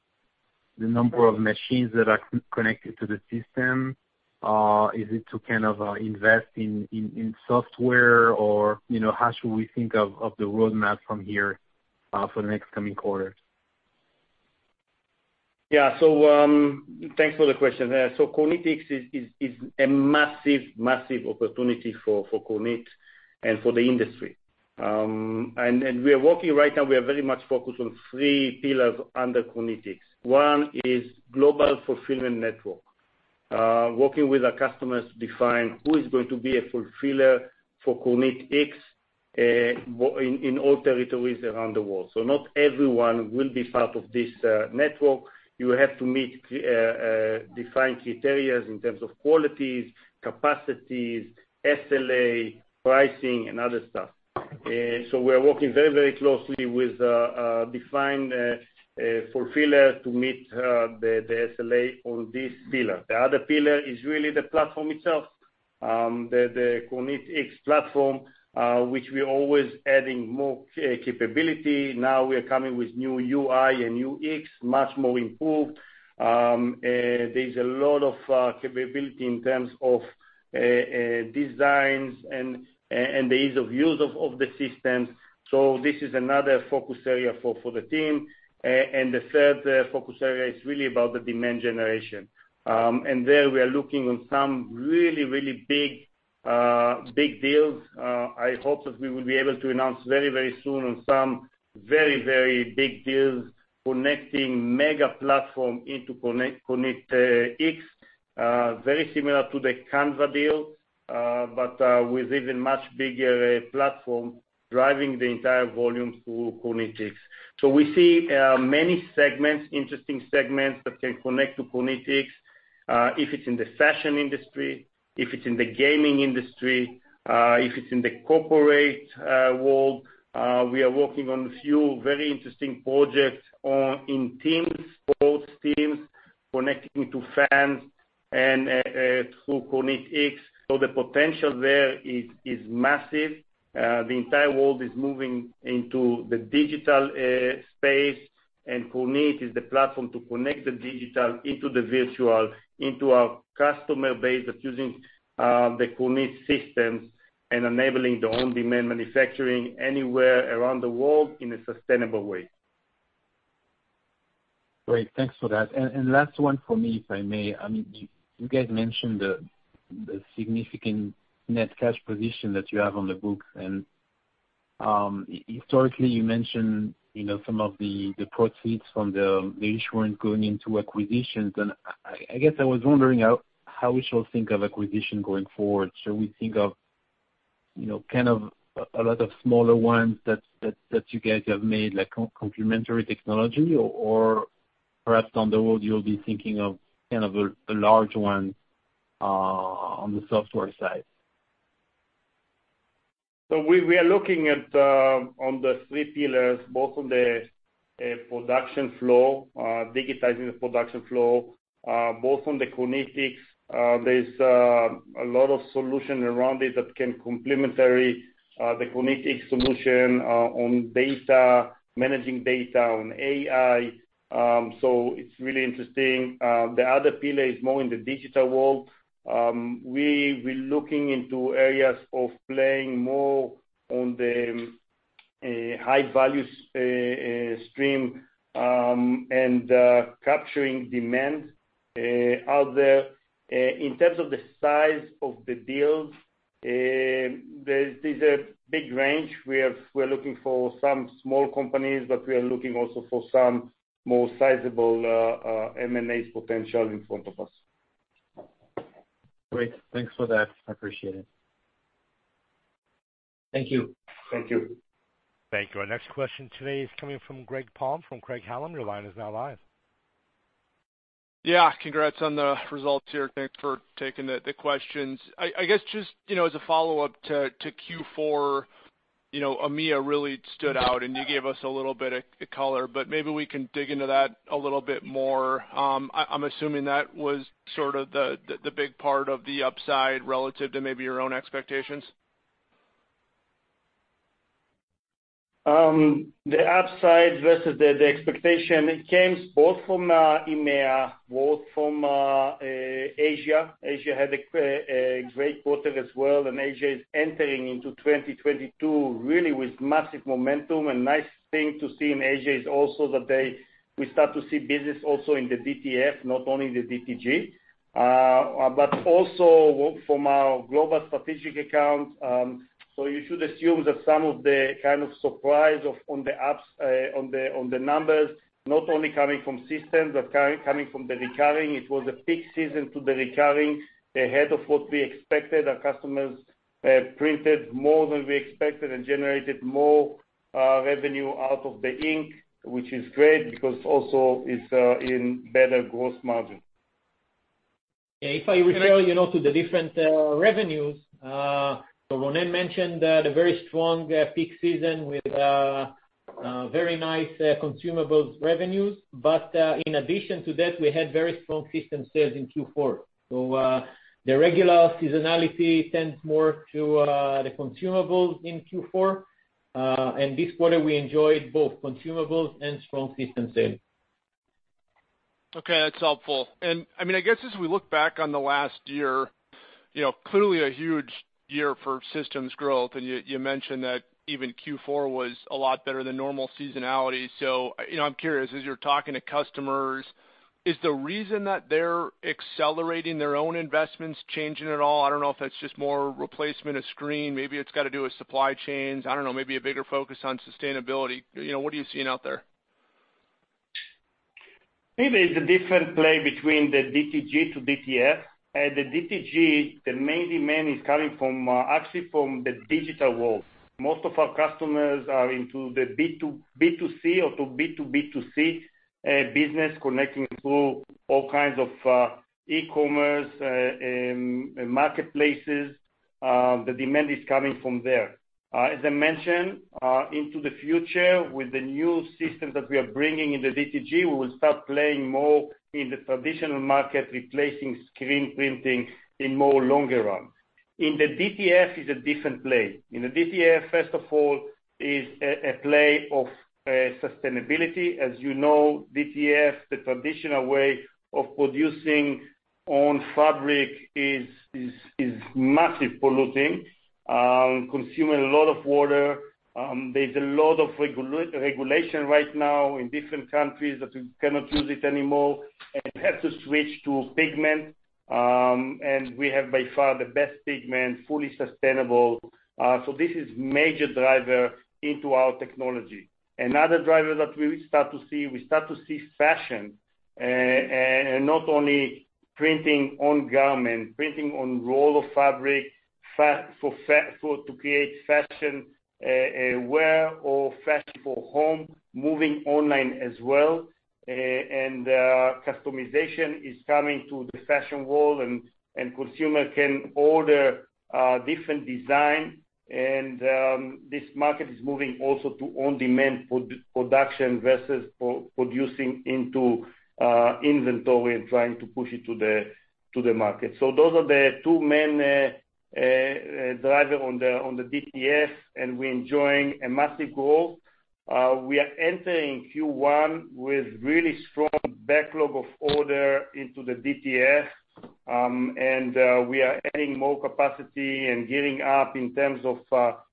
number of machines that are connected to the system? Is it to kind of invest in software? Or, you know, how should we think of the roadmap from here for the next coming quarters? Yeah. Thanks for the question. KornitX is a massive opportunity for Kornit and for the industry. We are working right now, we are very much focused on three pillars under KornitX. One is Global Fulfillment Network, working with our customers to define who is going to be a fulfiller for KornitX in all territories around the world. Not everyone will be part of this network. You have to meet defined criteria in terms of qualities, capacities, SLA, pricing, and other stuff. We're working very closely with defined fulfiller to meet the SLA on this pillar. The other pillar is really the platform itself. The KornitX platform, which we are always adding more capability. Now we are coming with new UI and UX, much more improved. There's a lot of capability in terms of designs and the ease of use of the system. This is another focus area for the team. The third focus area is really about the demand generation. There we are looking on some really big deals. I hope that we will be able to announce very soon on some very big deals connecting mega platform into KornitX very similar to the Canva deal, but with even much bigger platform driving the entire volume through KornitX. We see many interesting segments that can connect to KornitX. If it's in the fashion industry, if it's in the gaming industry, if it's in the corporate world, we are working on a few very interesting projects in teams, sports teams connecting to fans and through KornitX. The potential there is massive. The entire world is moving into the digital space, and Kornit is the platform to connect the digital into the virtual, into our customer base that's using the Kornit systems and enabling their own on-demand manufacturing anywhere around the world in a sustainable way. Great. Thanks for that. Last one for me, if I may. I mean, you guys mentioned the significant net cash position that you have on the books. Historically, you mentioned, you know, some of the proceeds from the insurance going into acquisitions. I guess I was wondering how we should think of acquisition going forward. Should we think of you know, kind of a lot of smaller ones that you guys have made, like complementary technology or perhaps down the road you'll be thinking of kind of a large one on the software side? We are looking at on the three pillars, both on the production flow, digitizing the production flow, both on the KornitX. There's a lot of solution around it that can complement the KornitX solution, on data, managing data on AI. It's really interesting. The other pillar is more in the digital world. We looking into areas of playing more on the high value stream, and capturing demand out there. In terms of the size of the deals, there's a big range. We're looking for some small companies, but we are looking also for some more sizable M&A potential in front of us. Great. Thanks for that. I appreciate it. Thank you. Thank you. Thank you. Our next question today is coming from Greg Palm from Craig-Hallum. Your line is now live. Yeah. Congrats on the results here. Thanks for taking the questions. I guess just, you know, as a follow-up to Q4, you know, EMEA really stood out, and you gave us a little bit of color, but maybe we can dig into that a little bit more. I'm assuming that was sort of the big part of the upside relative to maybe your own expectations. The upside versus the expectation, it came both from EMEA and from Asia. Asia had a great quarter as well, and Asia is entering into 2022 really with massive momentum. Nice thing to see in Asia is also that we start to see business also in the DTF, not only the DTG, but also from our global strategic account. So you should assume that some of the kind of surprise on the apps, on the numbers, not only coming from systems, but coming from the recurring. It was a peak season to the recurring ahead of what we expected. Our customers printed more than we expected and generated more revenue out of the ink, which is great because also it's in better gross margin. Yeah. If I refer, you know, to the different revenues, so Ronen mentioned the very strong peak season with very nice consumables revenues. In addition to that, we had very strong system sales in Q4. The regular seasonality tends more to the consumables in Q4. This quarter we enjoyed both consumables and strong system sales. Okay, that's helpful. I mean, I guess as we look back on the last year, you know, clearly a huge year for systems growth, and you mentioned that even Q4 was a lot better than normal seasonality. You know, I'm curious, as you're talking to customers, is the reason that they're accelerating their own investments changing at all? I don't know if that's just more replacement of screen. Maybe it's got to do with supply chains. I don't know, maybe a bigger focus on sustainability. You know, what are you seeing out there? Maybe it's a different play between the DTG to DTF. The DTG, the main demand is coming from actually from the digital world. Most of our customers are into the B2B, B2C or B2B2C business connecting to all kinds of e-commerce marketplaces. The demand is coming from there. As I mentioned, into the future with the new systems that we are bringing in the DTG, we will start playing more in the traditional market, replacing screen printing in more longer run. In the DTF is a different play. In the DTF, first of all, is a play of sustainability. As you know, DTF, the traditional way of producing on fabric is massively polluting, consuming a lot of water. There's a lot of regulation right now in different countries that we cannot use it anymore and have to switch to pigment. We have by far the best pigment, fully sustainable. This is major driver into our technology. Another driver that we start to see fashion, and not only printing on garment, printing on roll of fabric to create fashion, wear or fashion for home, moving online as well. Customization is coming to the fashion world and consumer can order different design. This market is moving also to on-demand production versus producing into inventory and trying to push it to the market. Those are the two main driver on the DTF, and we're enjoying a massive growth. We are entering Q1 with really strong backlog of orders into the DTF, and we are adding more capacity and gearing up in terms of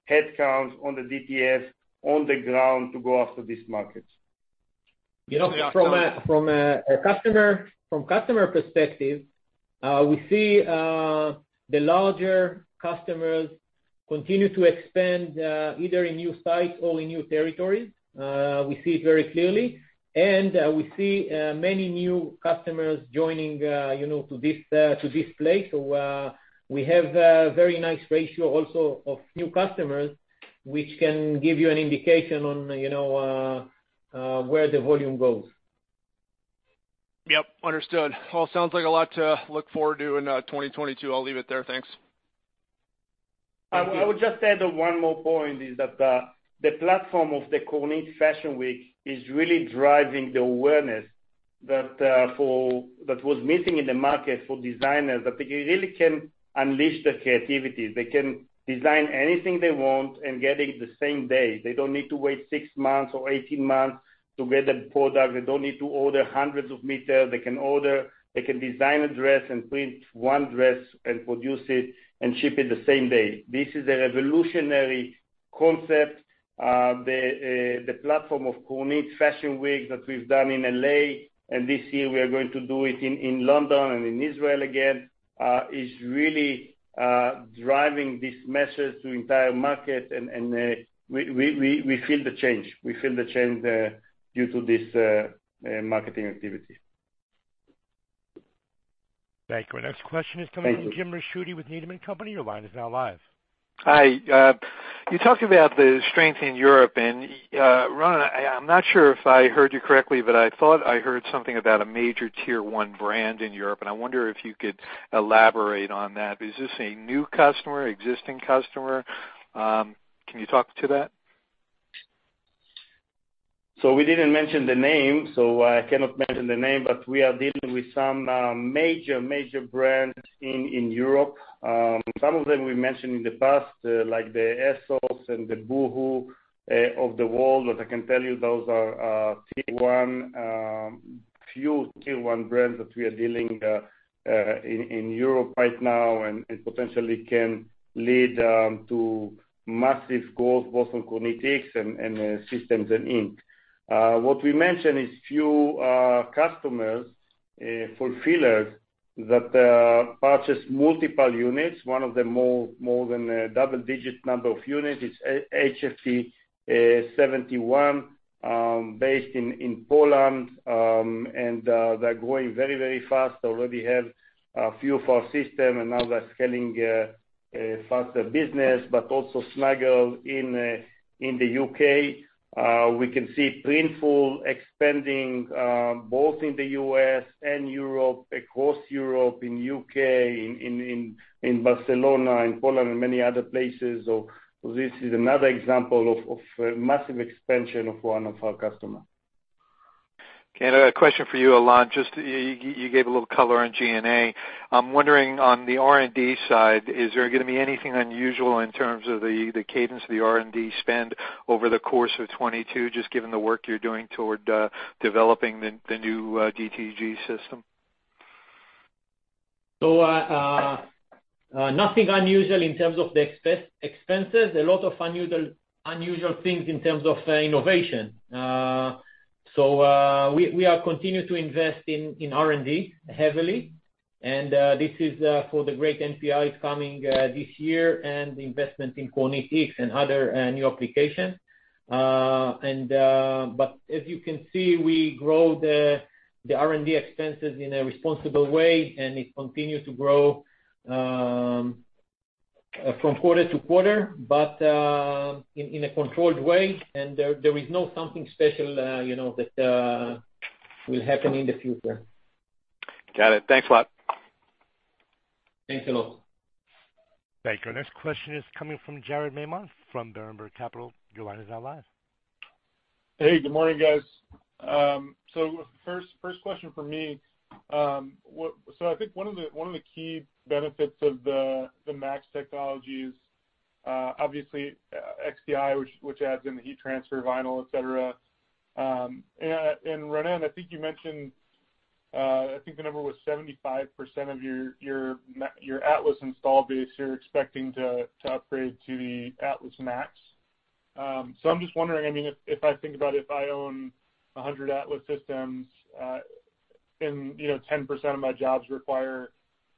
headcounts on the DTF on the ground to go after these markets. You know, from a customer perspective, we see the larger customers continue to expand either in new sites or in new territories. We see it very clearly, and we see many new customers joining you know to this play. We have a very nice ratio also of new customers which can give you an indication on, you know, where the volume goes. Yep, understood. Well, sounds like a lot to look forward to in 2022. I'll leave it there. Thanks. I would just add one more point is that the platform of the Kornit Fashion Week is really driving the awareness that that was missing in the market for designers, that they really can unleash their creativity. They can design anything they want and get it the same day. They don't need to wait six months or 18 months to get a product. They don't need to order hundreds of meters. They can design a dress and print one dress and produce it and ship it the same day. This is a revolutionary concept. The platform of Kornit Fashion Week that we've done in L.A., and this year we are going to do it in London and in Israel again, is really driving this message to entire market. We feel the change. We feel the change due to this marketing activity. Thank you. Our next question is coming from Jim Ricchiuti with Needham & Company. Your line is now live. Hi. You talked about the strength in Europe. Ronen, I'm not sure if I heard you correctly, but I thought I heard something about a major Tier 1 brand in Europe, and I wonder if you could elaborate on that. Is this a new customer, existing customer? Can you talk to that? We didn't mention the name, so I cannot mention the name, but we are dealing with some major brands in Europe. Some of them we mentioned in the past, like ASOS and Boohoo of the world. I can tell you those are a few Tier 1 brands that we are dealing in Europe right now and potentially can lead to massive growth both on KornitX and systems and ink. What we mentioned is a few customers, fulfillers that purchase multiple units. One of them more than a double-digit number of units is HFT71, based in Poland. They're growing very fast. They already have a few of our system and now they're scaling faster business, but also Snuggle in the U.K. We can see Printful expanding both in the U.S. and Europe, across Europe, in U.K., in Barcelona, in Poland, and many other places. This is another example of a massive expansion of one of our customer. Okay. A question for you, Alon. Just you gave a little color on G&A. I'm wondering on the R&D side, is there gonna be anything unusual in terms of the cadence of the R&D spend over the course of 2022, just given the work you're doing toward developing the new DTG system? Nothing unusual in terms of the expenses. A lot of unusual things in terms of innovation. We continue to invest in R&D heavily. This is for the great NPIs coming this year and the investment in KornitX and other new applications. As you can see, we grow the R&D expenses in a responsible way, and it continues to grow from quarter to quarter, but in a controlled way. There is nothing special, you know, that will happen in the future. Got it. Thanks a lot. Thanks a lot. Thank you. Our next question is coming from Jared Maymon from Berenberg Capital. Your line is now live. Hey, good morning, guys. First question for me. I think one of the key benefits of the MAX technologies, obviously XDi, which adds in the heat transfer, vinyl, et cetera. Ronen, I think you mentioned, I think the number was 75% of your Atlas installed base, you're expecting to upgrade to the Atlas MAX. I'm just wondering, I mean, if I think about if I own 100 Atlas systems, and, you know, 10% of my jobs require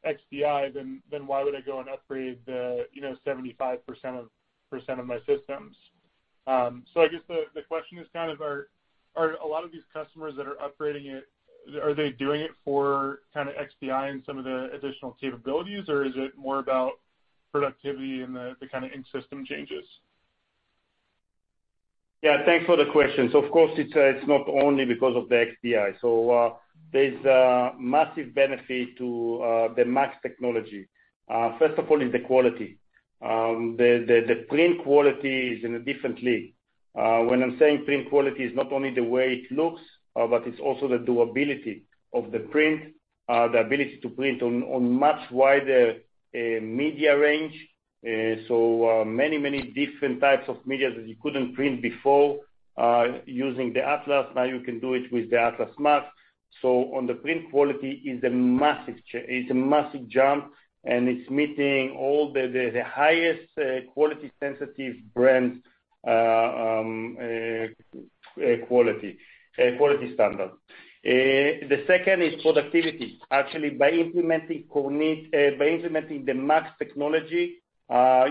XDi, then why would I go and upgrade the, you know, 75% of my systems? I guess the question is kind of are a lot of these customers that are upgrading it, are they doing it for kinda XDi and some of the additional capabilities, or is it more about productivity and the kinda ink system changes? Yeah. Thanks for the question. Of course, it's not only because of the XDi. There's a massive benefit to the MAX technology. First of all is the quality. The print quality is in a different league. When I'm saying print quality, it's not only the way it looks, but it's also the durability of the print, the ability to print on much wider media range. Many different types of media that you couldn't print before using the Atlas, now you can do it with the Atlas MAX. On the print quality is a massive jump, and it's meeting all the highest quality-sensitive brands' quality standards. The second is productivity. Actually, by implementing the MAX Technology,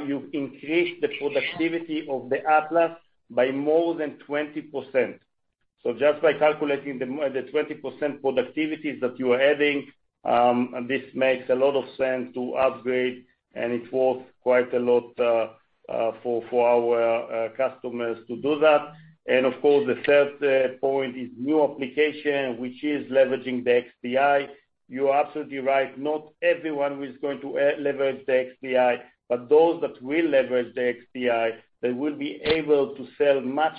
you've increased the productivity of the Atlas by more than 20%. So just by calculating the 20% productivities that you are adding, this makes a lot of sense to upgrade, and it's worth quite a lot for our customers to do that. Of course, the third point is new application, which is leveraging the XDi. You are absolutely right. Not everyone is going to leverage the XDi, but those that will leverage the XDi, they will be able to sell much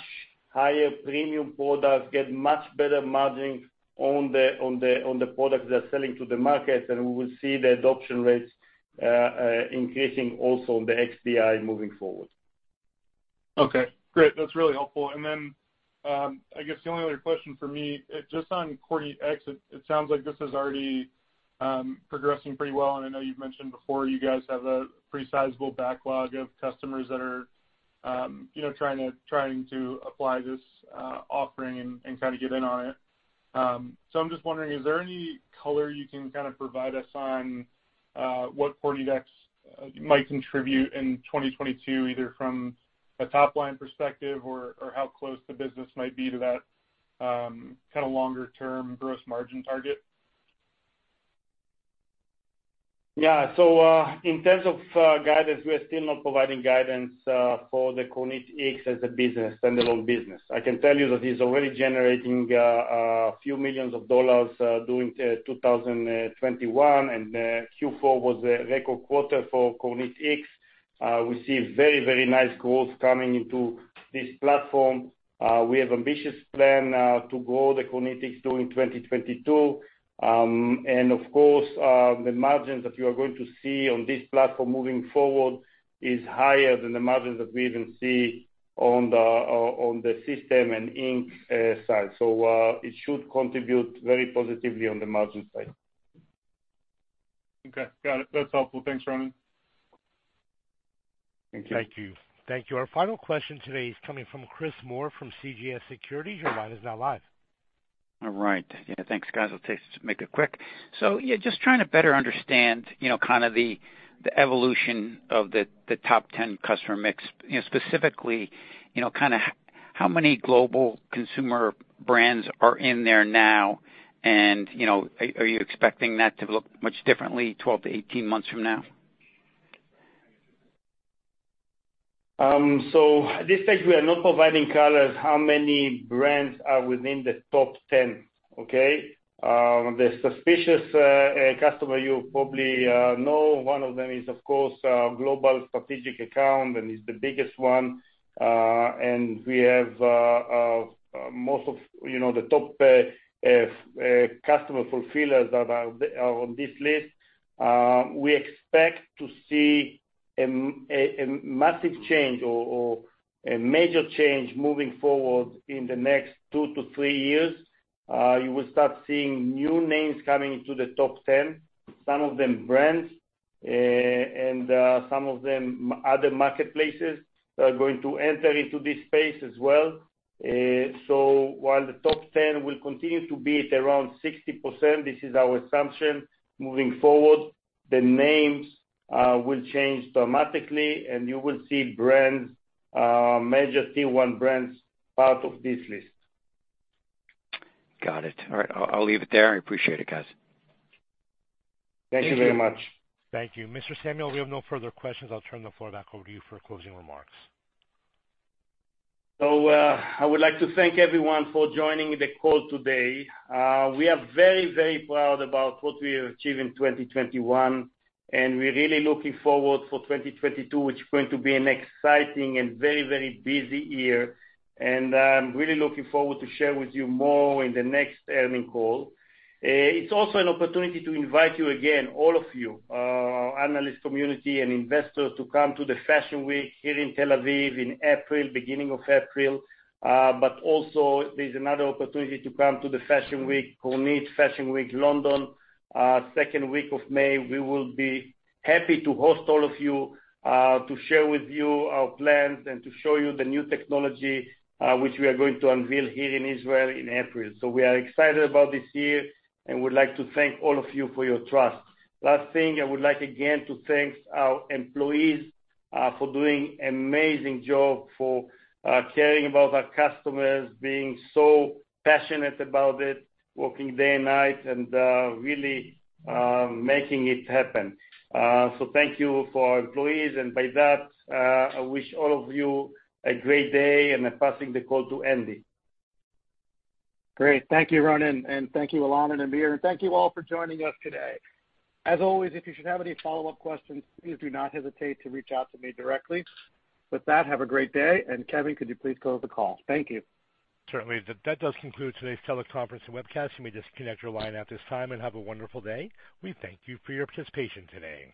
higher premium products, get much better margin on the products they're selling to the market. We will see the adoption rates increasing also on the XDi moving forward. Okay, great. That's really helpful. I guess the only other question for me, just on KornitX, it sounds like this is already progressing pretty well, and I know you've mentioned before you guys have a pretty sizable backlog of customers that are, you know, trying to apply this offering and kinda get in on it. So I'm just wondering, is there any color you can kinda provide us on, what KornitX might contribute in 2022, either from a top-line perspective or how close the business might be to that kinda longer term gross margin target? Yeah. In terms of guidance, we are still not providing guidance for the KornitX as a business, standalone business. I can tell you that it's already generating a few million dollars during 2021, and Q4 was a record quarter for KornitX. We see very, very nice growth coming into this platform. We have ambitious plan to grow the KornitX during 2022. And of course, the margins that you are going to see on this platform moving forward is higher than the margins that we even see on the system and ink side. It should contribute very positively on the margin side. Okay. Got it. That's helpful. Thanks, Ronen. Thank you. Thank you. Thank you. Our final question today is coming from Chris Moore from CJS Securities. Your line is now live. All right. Yeah, thanks guys. I'll just make it quick. Yeah, just trying to better understand, you know, kinda the evolution of the top ten customer mix. You know, specifically, you know, kinda how many global consumer brands are in there now? And, you know, are you expecting that to look much differently 12-18 months from now? At this stage, we are not providing color on how many brands are within the top 10. Okay? The significant customer you probably know, one of them is, of course, a global strategic account and is the biggest one. And we have most of, you know, the top customer fulfillers are on this list. We expect to see a massive change or a major change moving forward in the next two to three years. You will start seeing new names coming into the top 10, some of them brands, and some of them other marketplaces are going to enter into this space as well. While the top 10 will continue to be at around 60%, this is our assumption moving forward, the names will change dramatically and you will see brands, major Tier 1 brands part of this list. Got it. All right, I'll leave it there. I appreciate it, guys. Thank you very much. Thank you. Mr. Samuel, we have no further questions. I'll turn the floor back over to you for closing remarks. I would like to thank everyone for joining the call today. We are very proud about what we have achieved in 2021, and we're really looking forward for 2022, which is going to be an exciting and very busy year. I'm really looking forward to share with you more in the next earnings call. It's also an opportunity to invite you again, all of you, analyst community and investors to come to the Fashion Week here in Tel Aviv in April, beginning of April. Also there's another opportunity to come to the Fashion Week, Kornit Fashion Week, London, second week of May. We will be happy to host all of you, to share with you our plans and to show you the new technology, which we are going to unveil here in Israel in April. We are excited about this year and would like to thank all of you for your trust. Last thing, I would like again to thank our employees for doing amazing job, for caring about our customers, being so passionate about it, working day and night, and really making it happen. Thank you for our employees. By that, I wish all of you a great day and I'm passing the call to Andy. Great. Thank you, Ronen, and thank you Alon and Amir, and thank you all for joining us today. As always, if you should have any follow-up questions, please do not hesitate to reach out to me directly. With that, have a great day. Kevin, could you please close the call? Thank you. Certainly. That does conclude today's teleconference and webcast. You may disconnect your line at this time and have a wonderful day. We thank you for your participation today.